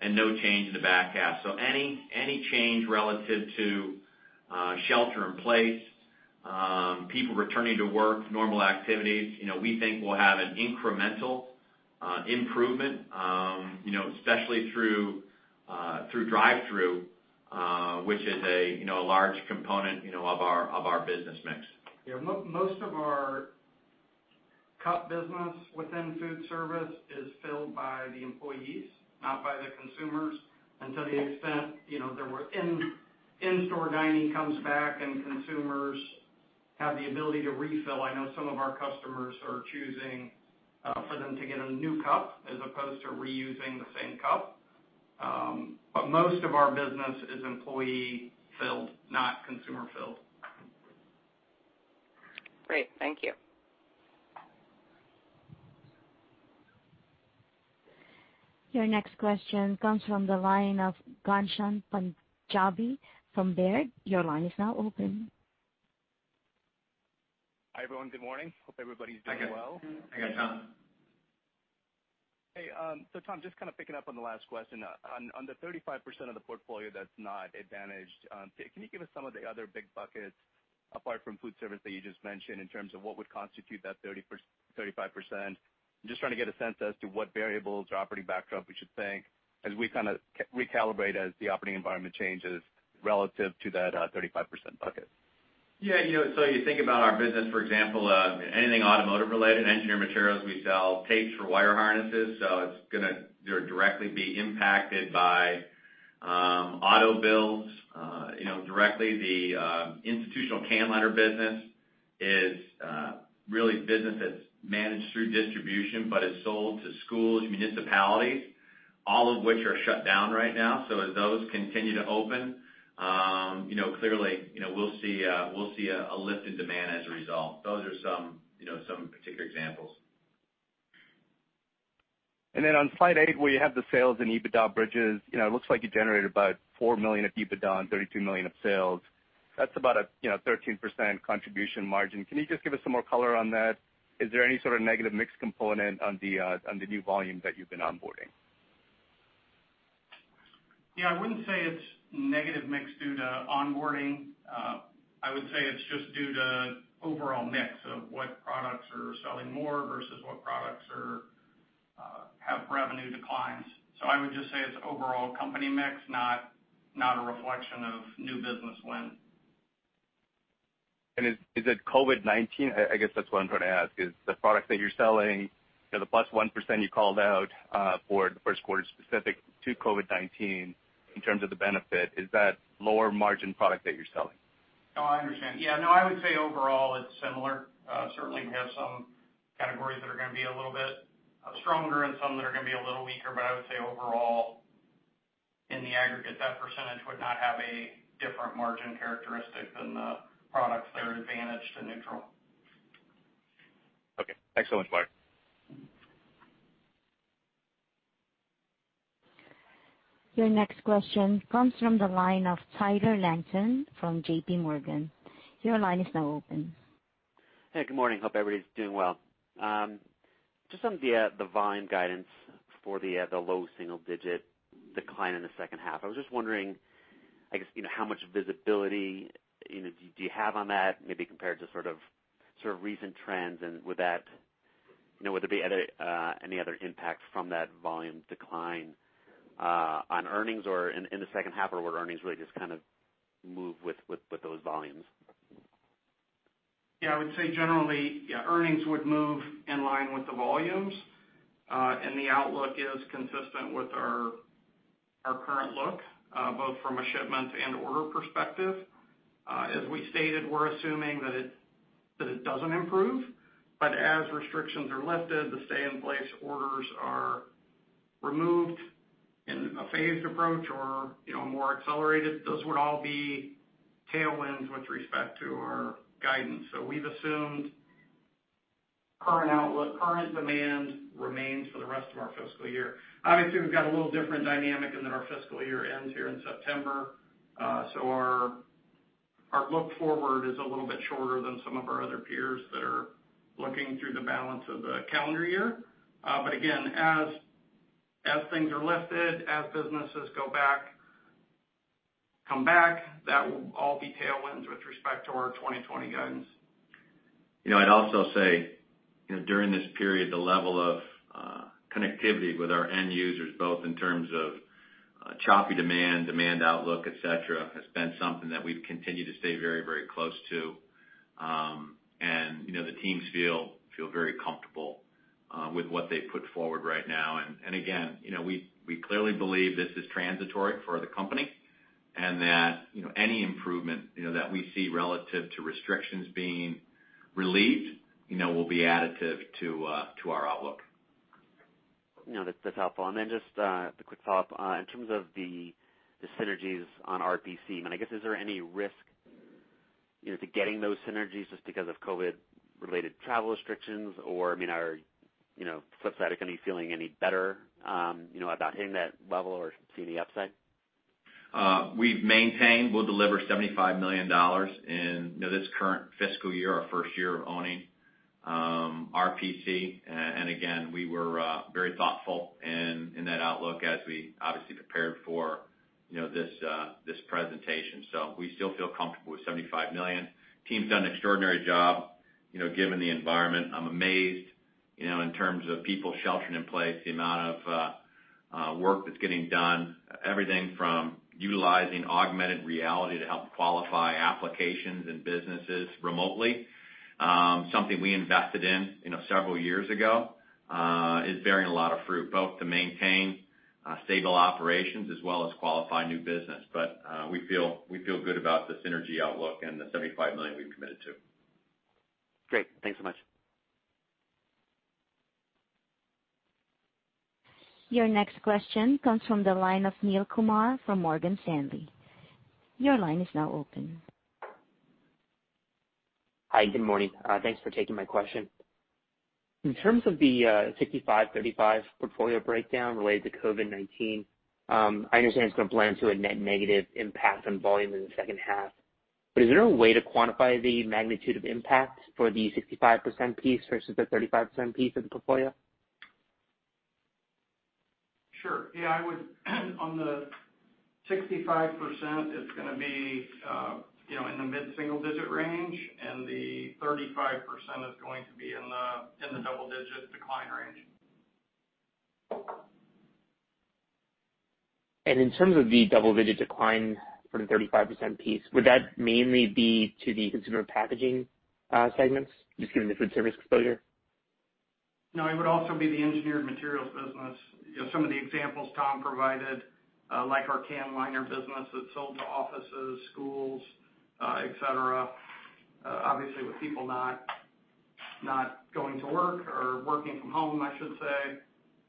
Speaker 3: and no change in the back half. Any change relative to shelter in place, people returning to work, normal activities, we think will have an incremental improvement, especially through drive-through, which is a large component of our business mix.
Speaker 4: Yeah. Most of our cup business within food service is filled by the employees, not by the consumers, until the extent in-store dining comes back and consumers have the ability to refill. I know some of our customers are choosing for them to get a new cup as opposed to reusing the same cup. Most of our business is employee-filled, not consumer-filled.
Speaker 7: Great. Thank you.
Speaker 1: Your next question comes from the line of Ghansham Panjabi from Baird. Your line is now open.
Speaker 8: Hi, everyone. Good morning. Hope everybody's doing well.
Speaker 3: Hi Ghansham, Tom.
Speaker 8: Hey. Tom, just kind of picking up on the last question. On the 35% of the portfolio that's not advantaged, can you give us some of the other big buckets apart from food service that you just mentioned in terms of what would constitute that 35%? I'm just trying to get a sense as to what variables or operating backdrop we should think as we kind of recalibrate as the operating environment changes relative to that 35% bucket.
Speaker 3: Yeah. You think about our business, for example, anything automotive related, Engineered Materials, we sell tapes for wire harnesses, it's going to directly be impacted by auto builds. Directly, the institutional can liner business is really business that's managed through distribution, is sold to schools, municipalities, all of which are shut down right now. As those continue to open, clearly, we'll see a lift in demand as a result. Those are some particular examples.
Speaker 8: On slide eight, where you have the sales and EBITDA bridges, it looks like you generated about $4 million of EBITDA and $32 million of sales. That's about a 13% contribution margin. Can you just give us some more color on that? Is there any sort of negative mix component on the new volume that you've been onboarding?
Speaker 4: I wouldn't say it's negative mix due to onboarding. I would say it's just due to overall mix of what products are selling more versus what products have revenue declines. I would just say it's overall company mix, not a reflection of new business win.
Speaker 8: Is it COVID-19? I guess that's what I'm trying to ask, is the product that you're selling, the +1% you called out for the first quarter specific to COVID-19 in terms of the benefit, is that lower margin product that you're selling?
Speaker 4: Oh, I understand. Yeah, no, I would say overall it's similar. Certainly, we have some categories that are going to be a little bit stronger and some that are going to be a little weaker. I would say overall, in the aggregate, that percentage would not have a different margin characteristic than the products that are advantage to neutral.
Speaker 8: Okay. Thanks so much, Mark.
Speaker 1: Your next question comes from the line of Tyler Langton from JPMorgan. Your line is now open.
Speaker 9: Hey, good morning. Hope everybody's doing well. Just on the volume guidance for the low single-digit decline in the second half, I was just wondering, I guess, how much visibility do you have on that, maybe compared to recent trends? Would there be any other impact from that volume decline on earnings or in the second half? Would earnings really just kind of move with those volumes?
Speaker 4: Yeah, I would say generally, earnings would move in line with the volumes. The outlook is consistent with our current look, both from a shipment and order perspective. As we stated, we're assuming that it doesn't improve. As restrictions are lifted, the stay-in-place orders are removed in a phased approach or more accelerated, those would all be tailwinds with respect to our guidance. We've assumed current outlook, current demand remains for the rest of our fiscal year. Obviously, we've got a little different dynamic in that our fiscal year ends here in September. Our look forward is a little bit shorter than some of our other peers that are looking through the balance of the calendar year. Again, as things are lifted, as businesses come back, that will all be tailwinds with respect to our 2020 guidance.
Speaker 3: I'd also say, during this period, the level of connectivity with our end users, both in terms of choppy demand outlook, et cetera, has been something that we've continued to stay very close to. The teams feel very comfortable with what they've put forward right now. Again, we clearly believe this is transitory for the company and that any improvement that we see relative to restrictions being relieved will be additive to our outlook.
Speaker 9: That's helpful. Just a quick follow-up. In terms of the synergies on RPC, I guess is there any risk to getting those synergies just because of COVID-related travel restrictions? Are flip side going to be feeling any better about hitting that level or seeing any upside?
Speaker 3: We've maintained we'll deliver $75 million in this current fiscal year, our first year of owning RPC. Again, we were very thoughtful in that outlook as we obviously prepared for this presentation. We still feel comfortable with $75 million. Team's done an extraordinary job given the environment. I'm amazed in terms of people sheltering in place, the amount of work that's getting done, everything from utilizing augmented reality to help qualify applications and businesses remotely. Something we invested in several years ago is bearing a lot of fruit, both to maintain stable operations as well as qualify new business. We feel good about the synergy outlook and the $75 million we've committed to.
Speaker 9: Great. Thanks so much.
Speaker 1: Your next question comes from the line of Neel Kumar from Morgan Stanley. Your line is now open.
Speaker 10: Hi, good morning. Thanks for taking my question. In terms of the 65-35 portfolio breakdown related to COVID-19, I understand it's going to blend to a net negative impact on volume in the second half. Is there a way to quantify the magnitude of impact for the 65% piece versus the 35% piece of the portfolio?
Speaker 4: Sure. Yeah, on the 65%, it's going to be in the mid-single digit range, and the 35% is going to be in the double digits.
Speaker 10: In terms of the double-digit decline for the 35% piece, would that mainly be to the consumer packaging segments, just given the food service exposure?
Speaker 4: It would also be the Engineered Materials business. Some of the examples Tom provided, like our can liner business that's sold to offices, schools, et cetera. Obviously, with people not going to work or working from home, I should say,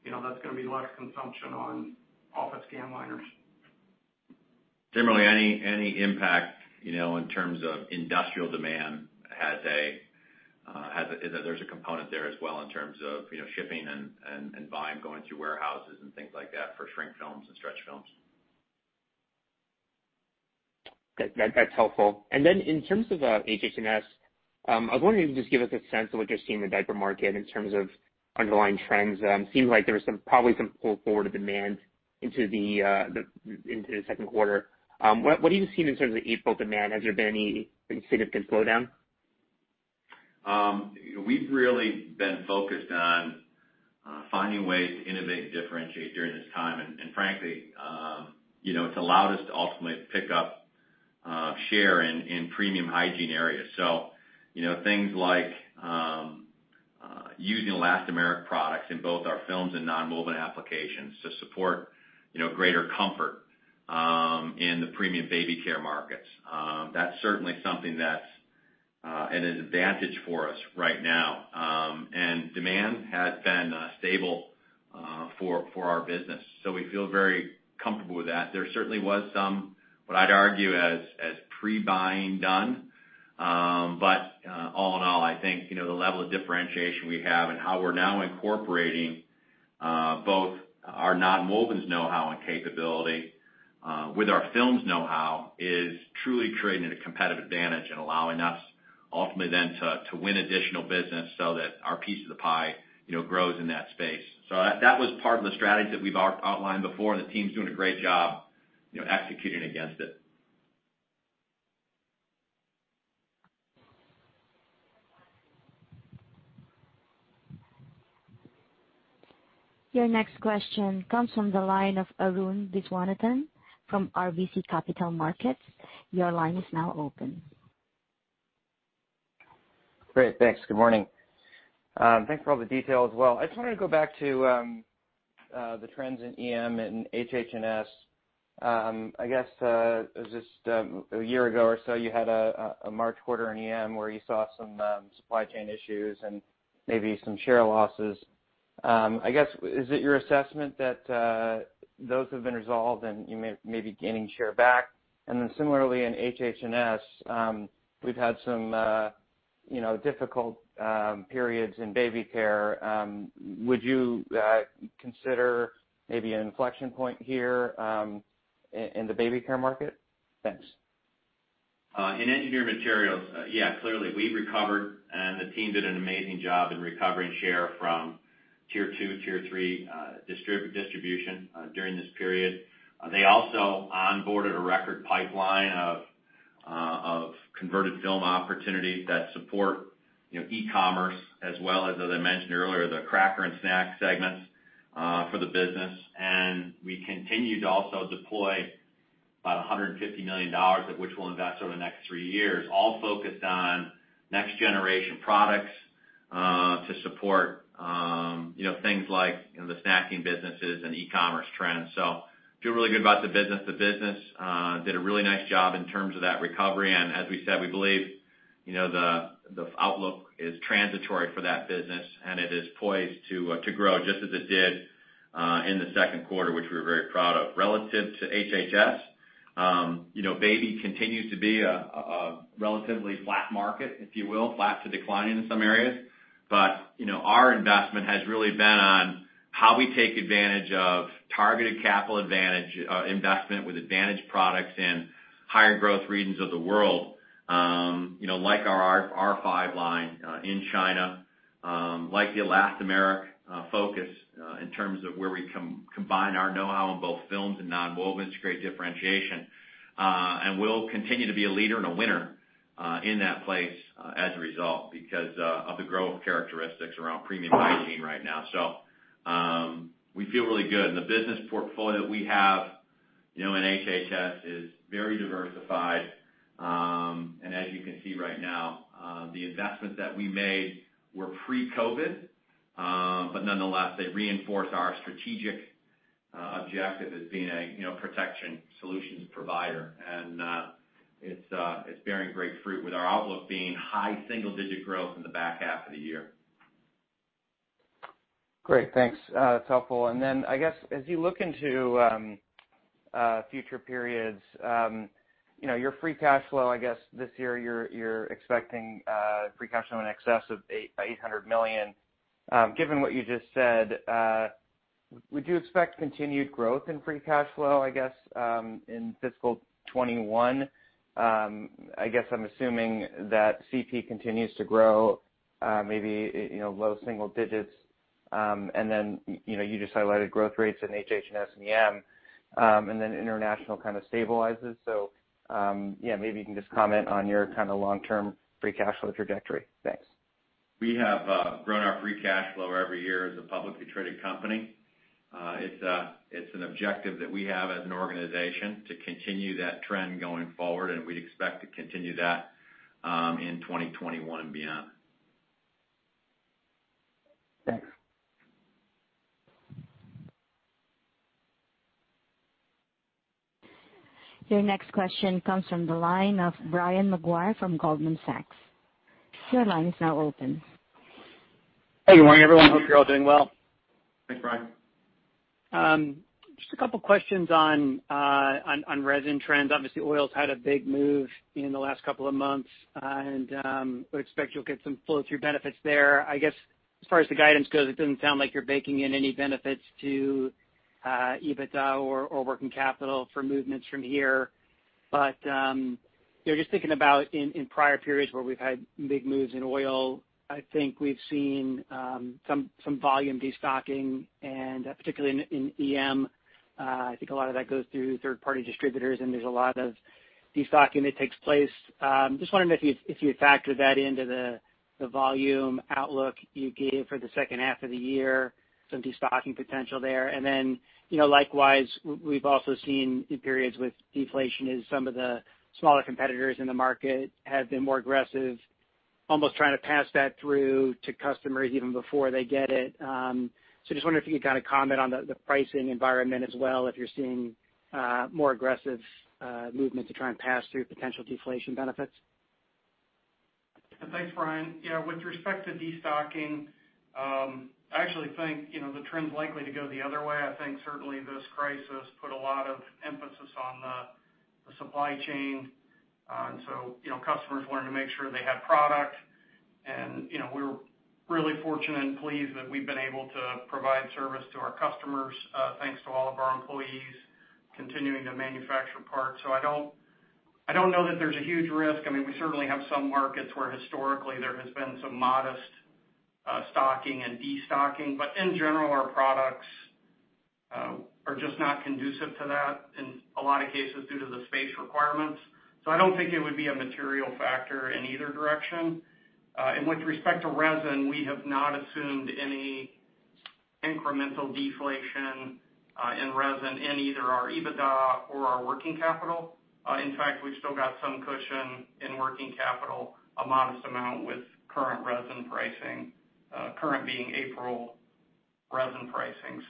Speaker 4: that's going to be less consumption on office can liners.
Speaker 3: Generally, any impact, in terms of industrial demand, there's a component there as well in terms of shipping and volume going through warehouses and things like that for shrink films and stretch films.
Speaker 10: That's helpful. In terms of HH&S, I was wondering if you could just give us a sense of what you're seeing in the diaper market in terms of underlying trends. Seems like there was probably some pull forward of demand into the second quarter. What are you seeing in terms of April demand? Has there been any significant slowdown?
Speaker 3: We've really been focused on finding ways to innovate and differentiate during this time. Frankly, it's allowed us to ultimately pick up share in premium hygiene areas. Things like using elastomeric products in both our films and nonwoven applications to support greater comfort in the premium baby care markets. Demand has been stable for our business, so we feel very comfortable with that. There certainly was some, what I'd argue as pre-buying done. All in all, I think, the level of differentiation we have and how we're now incorporating both our nonwovens know-how and capability with our films know-how is truly creating a competitive advantage and allowing us ultimately then to win additional business so that our piece of the pie grows in that space. That was part of the strategy that we've outlined before, and the team's doing a great job executing against it.
Speaker 1: Your next question comes from the line of Arun Viswanathan from RBC Capital Markets. Your line is now open.
Speaker 11: Great. Thanks. Good morning. Thanks for all the detail as well. I just wanted to go back to the trends in EM and HH&S. I guess, it was just a year ago or so, you had a March quarter in EM where you saw some supply chain issues and maybe some share losses. I guess, is it your assessment that those have been resolved and you may be gaining share back? Similarly in HH&S, we've had some difficult periods in baby care. Would you consider maybe an inflection point here in the baby care market? Thanks.
Speaker 3: In Engineered Materials, yeah, clearly we recovered, and the team did an amazing job in recovering share from tier 2, tier 3 distribution during this period. They also onboarded a record pipeline of converted film opportunities that support e-commerce as well as I mentioned earlier, the cracker and snack segments for the business. We continue to also deploy about $150 million, of which we'll invest over the next three years, all focused on next generation products to support things like the snacking businesses and e-commerce trends. Feel really good about the business. The business did a really nice job in terms of that recovery. As we said, we believe the outlook is transitory for that business, and it is poised to grow just as it did in the second quarter, which we're very proud of. Relative to HHS, baby continues to be a relatively flat market, if you will, flat to declining in some areas. Our investment has really been on how we take advantage of targeted capital advantage investment with advantage products in higher growth regions of the world. Like our R5 line in China, like the elastomeric focus in terms of where we combine our know-how in both films and nonwovens to create differentiation. We'll continue to be a leader and a winner in that place as a result because of the growth characteristics around premium hygiene right now. We feel really good. The business portfolio that we have in HHS is very diversified. As you can see right now, the investments that we made were pre-COVID, but nonetheless, they reinforce our strategic objective as being a protection solutions provider. It's bearing great fruit with our outlook being high single digit growth in the back half of the year.
Speaker 11: Great. Thanks. That's helpful. Then I guess as you look into future periods, your free cash flow, I guess this year you're expecting free cash flow in excess of $800 million. Given what you just said, would you expect continued growth in free cash flow, I guess, in fiscal 2021? I guess I'm assuming that CP continues to grow, maybe low single digits. Then you just highlighted growth rates in HH&S and EM, and then international kind of stabilizes. Yeah, maybe you can just comment on your kind-of long-term free cash flow trajectory. Thanks.
Speaker 3: We have grown our free cash flow every year as a publicly traded company. It's an objective that we have as an organization to continue that trend going forward, and we expect to continue that in 2021 and beyond.
Speaker 11: Thanks.
Speaker 1: Your next question comes from the line of Brian Maguire from Goldman Sachs. Your line is now open.
Speaker 12: Hey, good morning, everyone. Hope you're all doing well.
Speaker 3: Thanks, Brian.
Speaker 12: Just a couple of questions on resin trends. Obviously, oil's had a big move in the last couple of months, and would expect you'll get some flow-through benefits there. I guess as far as the guidance goes, it doesn't sound like you're baking in any benefits to EBITDA or working capital for movements from here. Just thinking about in prior periods where we've had big moves in oil, I think we've seen some volume destocking and particularly in EM. I think a lot of that goes through third-party distributors, and there's a lot of destocking that takes place. Just wondering if you had factored that into the volume outlook you gave for the second half of the year, some destocking potential there. Likewise, we've also seen in periods with deflation is some of the smaller competitors in the market have been more aggressive, almost trying to pass that through to customers even before they get it. Just wonder if you could kind of comment on the pricing environment as well, if you're seeing more aggressive movement to try and pass through potential deflation benefits.
Speaker 4: Thanks, Brian. Yeah, with respect to destocking, I actually think the trend's likely to go the other way. I think certainly this crisis put a lot of emphasis on the supply chain. Customers wanted to make sure they had product. We were really fortunate and pleased that we've been able to provide service to our customers, thanks to all of our employees continuing to manufacture parts. I don't know that there's a huge risk. We certainly have some markets where historically there has been some modest stocking and destocking, but in general, our products are just not conducive to that in a lot of cases due to the space requirements. I don't think it would be a material factor in either direction. With respect to resin, we have not assumed any incremental deflation in resin in either our EBITDA or our working capital. In fact, we've still got some cushion in working capital, a modest amount with current resin pricing, current being April resin pricing.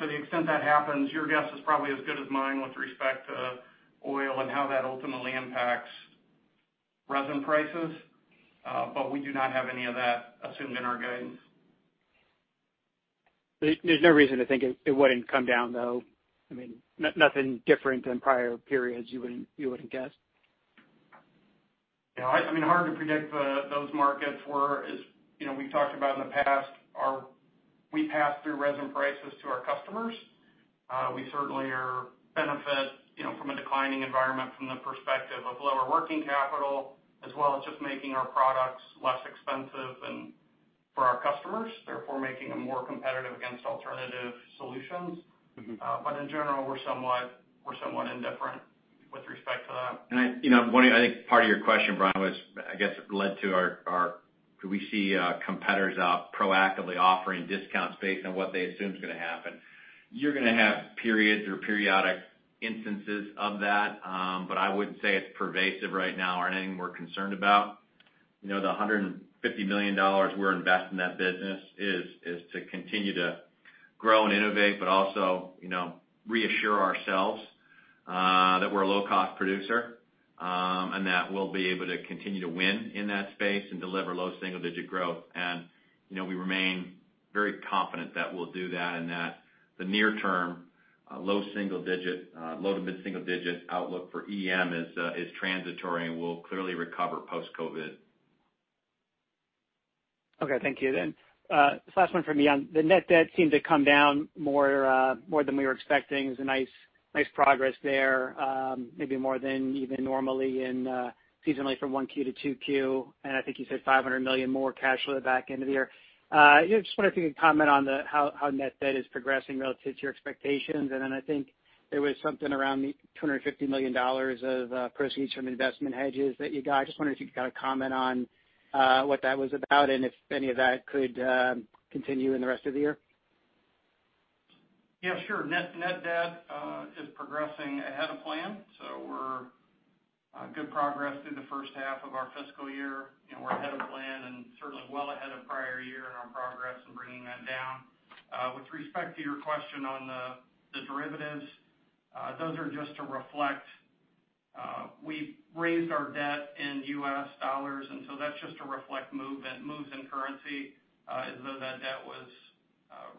Speaker 4: To the extent that happens, your guess is probably as good as mine with respect to oil and how that ultimately impacts resin prices. We do not have any of that assumed in our guidance.
Speaker 12: There's no reason to think it wouldn't come down, though? Nothing different than prior periods, you wouldn't guess?
Speaker 4: Hard to predict those markets where, as we've talked about in the past, we pass through resin prices to our customers. We certainly benefit from a declining environment from the perspective of lower working capital, as well as just making our products less expensive for our customers, therefore making them more competitive against alternative solutions. In general, we're somewhat indifferent with respect to that.
Speaker 3: I think part of your question, Brian, was, I guess, led to our do we see competitors out proactively offering discounts based on what they assume is going to happen? You're going to have periods or periodic instances of that. I wouldn't say it's pervasive right now or anything we're concerned about. The $150 million we're investing in that business is to continue to grow and innovate, but also reassure ourselves that we're a low-cost producer, and that we'll be able to continue to win in that space and deliver low single-digit growth. We remain very confident that we'll do that, and that the near term low to mid single digit outlook for EM is transitory and will clearly recover post-COVID-19.
Speaker 12: Okay, thank you. This last one from me. The net debt seemed to come down more than we were expecting. It was a nice progress there. Maybe more than even normally in seasonally from 1Q to 2Q, I think you said $500 million more cash flow at the back end of the year. Just wonder if you could comment on how net debt is progressing relative to your expectations. I think there was something around the $250 million of proceeds from investment hedges that you got. Just wondering if you could kind of comment on what that was about and if any of that could continue in the rest of the year.
Speaker 4: Yeah, sure. Net debt is progressing ahead of plan. We're good progress through the first half of our fiscal year. We're ahead of plan and certainly well ahead of prior year in our progress in bringing that down. With respect to your question on the derivatives, those are just to reflect we've raised our debt in US dollars, that's just to reflect moves in currency as though that debt was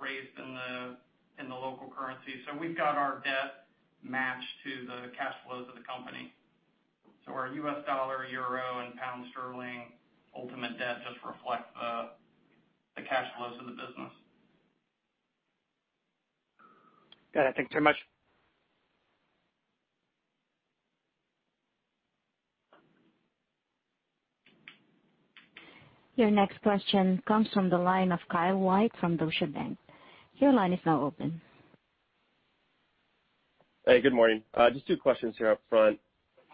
Speaker 4: raised in the local currency. We've got our debt matched to the cash flows of the company. Our US dollar, euro, and pound sterling ultimate debt just reflect the cash flows of the business.
Speaker 12: Got it. Thank you very much.
Speaker 1: Your next question comes from the line of Kyle White from Deutsche Bank. Your line is now open.
Speaker 13: Hey, good morning. Just two questions here up front.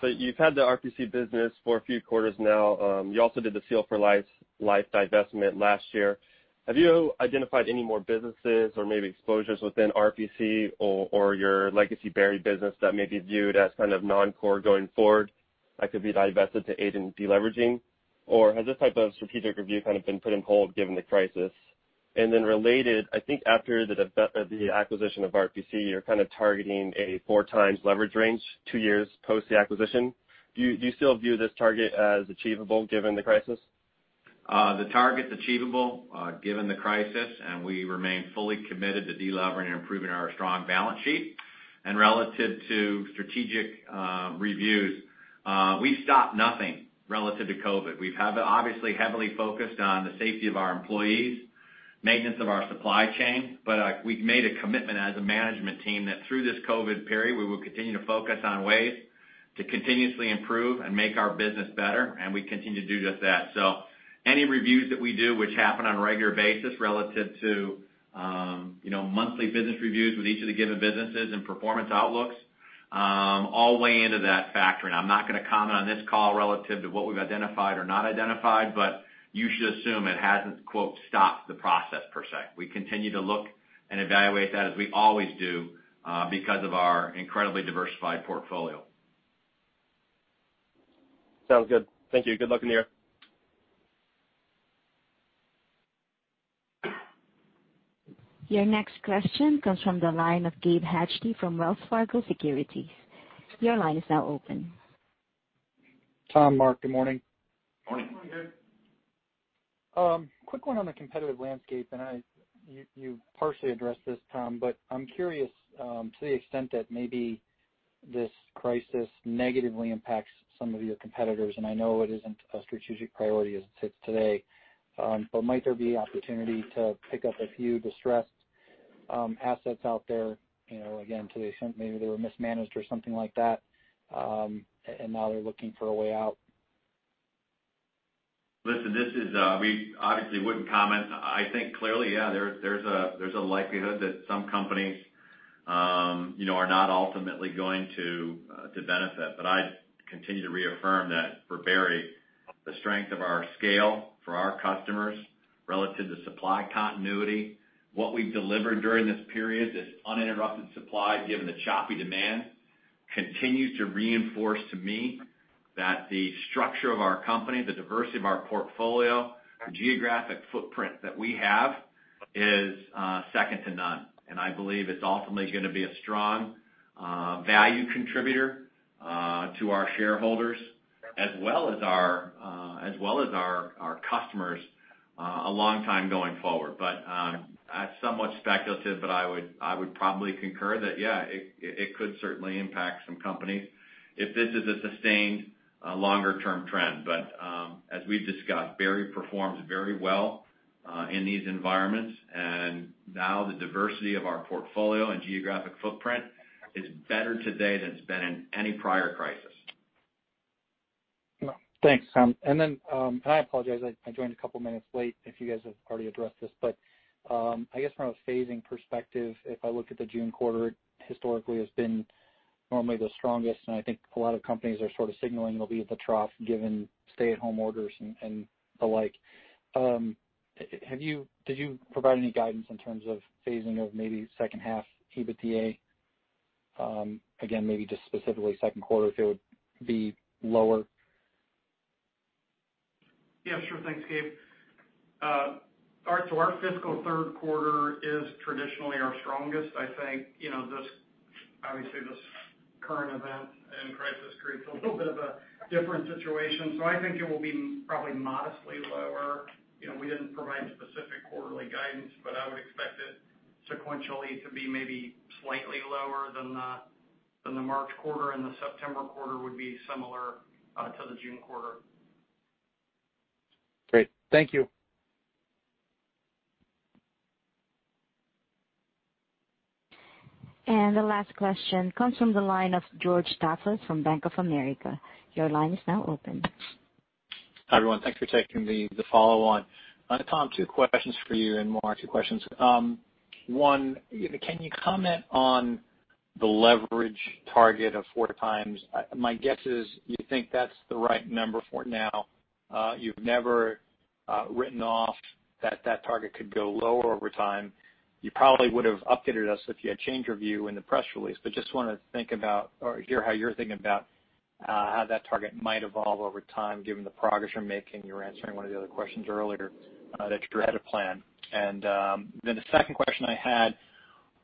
Speaker 13: You've had the RPC business for a few quarters now. You also did the Seal for Life divestment last year. Have you identified any more businesses or maybe exposures within RPC or your legacy Berry business that may be viewed as kind of non-core going forward that could be divested to aid in de-leveraging? Has this type of strategic review kind of been put on hold given the crisis? Related, I think after the acquisition of RPC, you're kind of targeting a four times leverage range two years post the acquisition. Do you still view this target as achievable given the crisis?
Speaker 3: The target's achievable given the crisis, we remain fully committed to de-levering and improving our strong balance sheet. Relative to strategic reviews, we've stopped nothing relative to COVID-19. We've obviously heavily focused on the safety of our employees, maintenance of our supply chain, but we've made a commitment as a management team that through this COVID-19 period, we will continue to focus on ways to continuously improve and make our business better, and we continue to do just that. Any reviews that we do, which happen on a regular basis relative to monthly business reviews with each of the given businesses and performance outlooks, all weigh into that factor. I'm not going to comment on this call relative to what we've identified or not identified, but you should assume it hasn't, quote, "Stopped the process" per se. We continue to look and evaluate that as we always do because of our incredibly diversified portfolio.
Speaker 13: Sounds good. Thank you. Good luck in the year.
Speaker 1: Your next question comes from the line of Gabe Hajde from Wells Fargo Securities. Your line is now open.
Speaker 14: Tom, Mark, good morning.
Speaker 3: Morning.
Speaker 4: Morning, Gabe.
Speaker 14: Quick one on the competitive landscape, you partially addressed this, Tom, but I'm curious to the extent that maybe this crisis negatively impacts some of your competitors, and I know it isn't a strategic priority as it sits today. Might there be opportunity to pick up a few distressed assets out there, again, to the extent maybe they were mismanaged or something like that, and now they're looking for a way out?
Speaker 3: Listen, we obviously wouldn't comment. I think clearly, yeah, there's a likelihood that some companies are not ultimately going to benefit. I continue to reaffirm that for Berry, the strength of our scale for our customers relative to supply continuity, what we've delivered during this period is uninterrupted supply, given the choppy demand, continues to reinforce to me that the structure of our company, the diversity of our portfolio, the geographic footprint that we have is second to none. I believe it's ultimately gonna be a strong value contributor to our shareholders as well as our customers a long time going forward. That's somewhat speculative, but I would probably concur that, yeah, it could certainly impact some companies if this is a sustained longer-term trend. As we've discussed, Berry performs very well in these environments, and now the diversity of our portfolio and geographic footprint is better today than it's been in any prior crisis.
Speaker 14: Thanks, Tom. I apologize, I joined a couple minutes late if you guys have already addressed this, but I guess from a phasing perspective, if I look at the June quarter, historically it has been normally the strongest, and I think a lot of companies are sort of signaling they'll be at the trough given stay-at-home orders and the like. Did you provide any guidance in terms of phasing of maybe second half EBITDA? Again, maybe just specifically second quarter, if it would be lower.
Speaker 4: Yeah, sure. Thanks, Gabe. Our fiscal third quarter is traditionally our strongest. I think, obviously, this current event and crisis creates a little bit of a different situation, so I think it will be probably modestly lower. We didn't provide specific quarterly guidance, but I would expect it sequentially to be maybe slightly lower than the March quarter, and the September quarter would be similar to the June quarter.
Speaker 14: Great. Thank you.
Speaker 1: The last question comes from the line of George Staphos from Bank of America. Your line is now open.
Speaker 5: Hi, everyone. Thanks for taking the follow-on. Tom, two questions for you. Mark, two questions. One, can you comment on the leverage target of 4x? My guess is you think that's the right number for now. You've never written off that that target could go lower over time. You probably would have updated us if you had changed your view in the press release. Just want to hear how you're thinking about how that target might evolve over time given the progress you're making. You were answering one of the other questions earlier that you had a plan. The second question I had,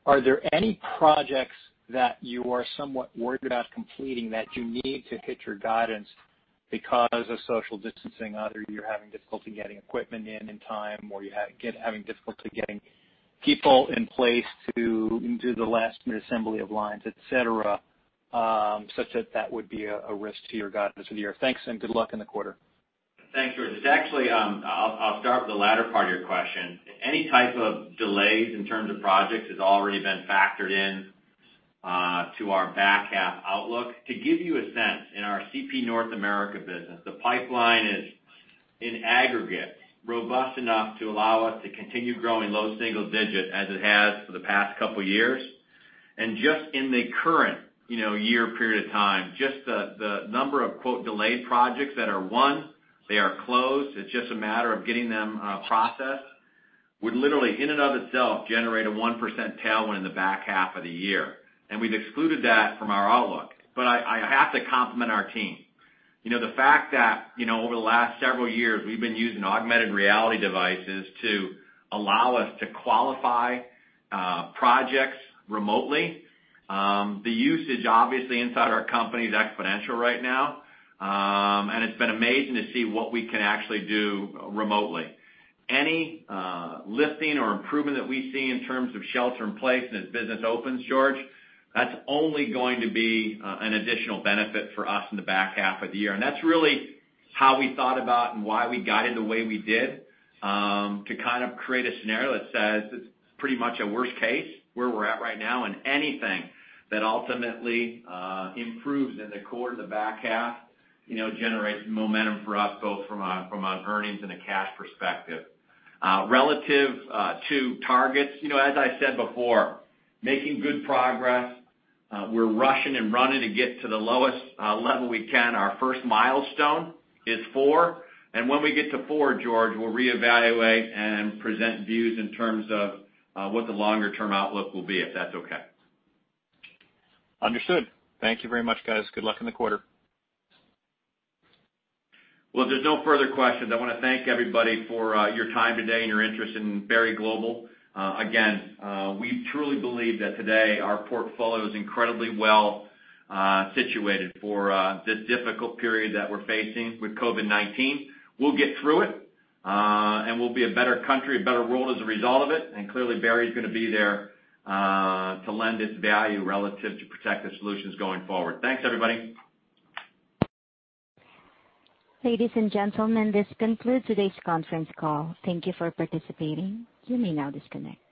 Speaker 5: are there any projects that you are somewhat worried about completing that you need to hit your guidance because of social distancing? Either you're having difficulty getting equipment in in time, or you're having difficulty getting people in place to do the last minute assembly of lines, et cetera, such that that would be a risk to your guidance for the year. Thanks. Good luck in the quarter.
Speaker 3: Thanks, George. I'll start with the latter part of your question. Any type of delays in terms of projects has already been factored in to our back half outlook. To give you a sense, in our CP North America business, the pipeline is in aggregate, robust enough to allow us to continue growing low single-digit as it has for the past couple of years. Just in the current year period of time, just the number of, quote, "delayed projects" that are won, they are closed, it's just a matter of getting them processed, would literally in and of itself generate a 1% tailwind in the back half of the year. We've excluded that from our outlook. I have to compliment our team. The fact that over the last several years, we've been using augmented reality devices to allow us to qualify projects remotely. The usage, obviously, inside our company, is exponential right now. It's been amazing to see what we can actually do remotely. Any lifting or improvement that we see in terms of shelter in place and as business opens, George, that's only going to be an additional benefit for us in the back half of the year. That's really how we thought about and why we guided the way we did, to kind of create a scenario that says it's pretty much a worst case where we're at right now, and anything that ultimately improves in the course of the back half generates momentum for us both from an earnings and a cash perspective. Relative to targets, as I said before, making good progress. We're rushing and running to get to the lowest level we can. Our first milestone is four. When we get to four, George, we'll reevaluate and present views in terms of what the longer-term outlook will be, if that's okay.
Speaker 5: Understood. Thank you very much, guys. Good luck in the quarter.
Speaker 3: Well, if there's no further questions, I want to thank everybody for your time today and your interest in Berry Global. We truly believe that today our portfolio is incredibly well situated for this difficult period that we're facing with COVID-19. We'll get through it. We'll be a better country, a better world as a result of it. Clearly, Berry's going to be there to lend its value relative to protective solutions going forward. Thanks everybody.
Speaker 1: Ladies and gentlemen, this concludes today's conference call. Thank you for participating. You may now disconnect.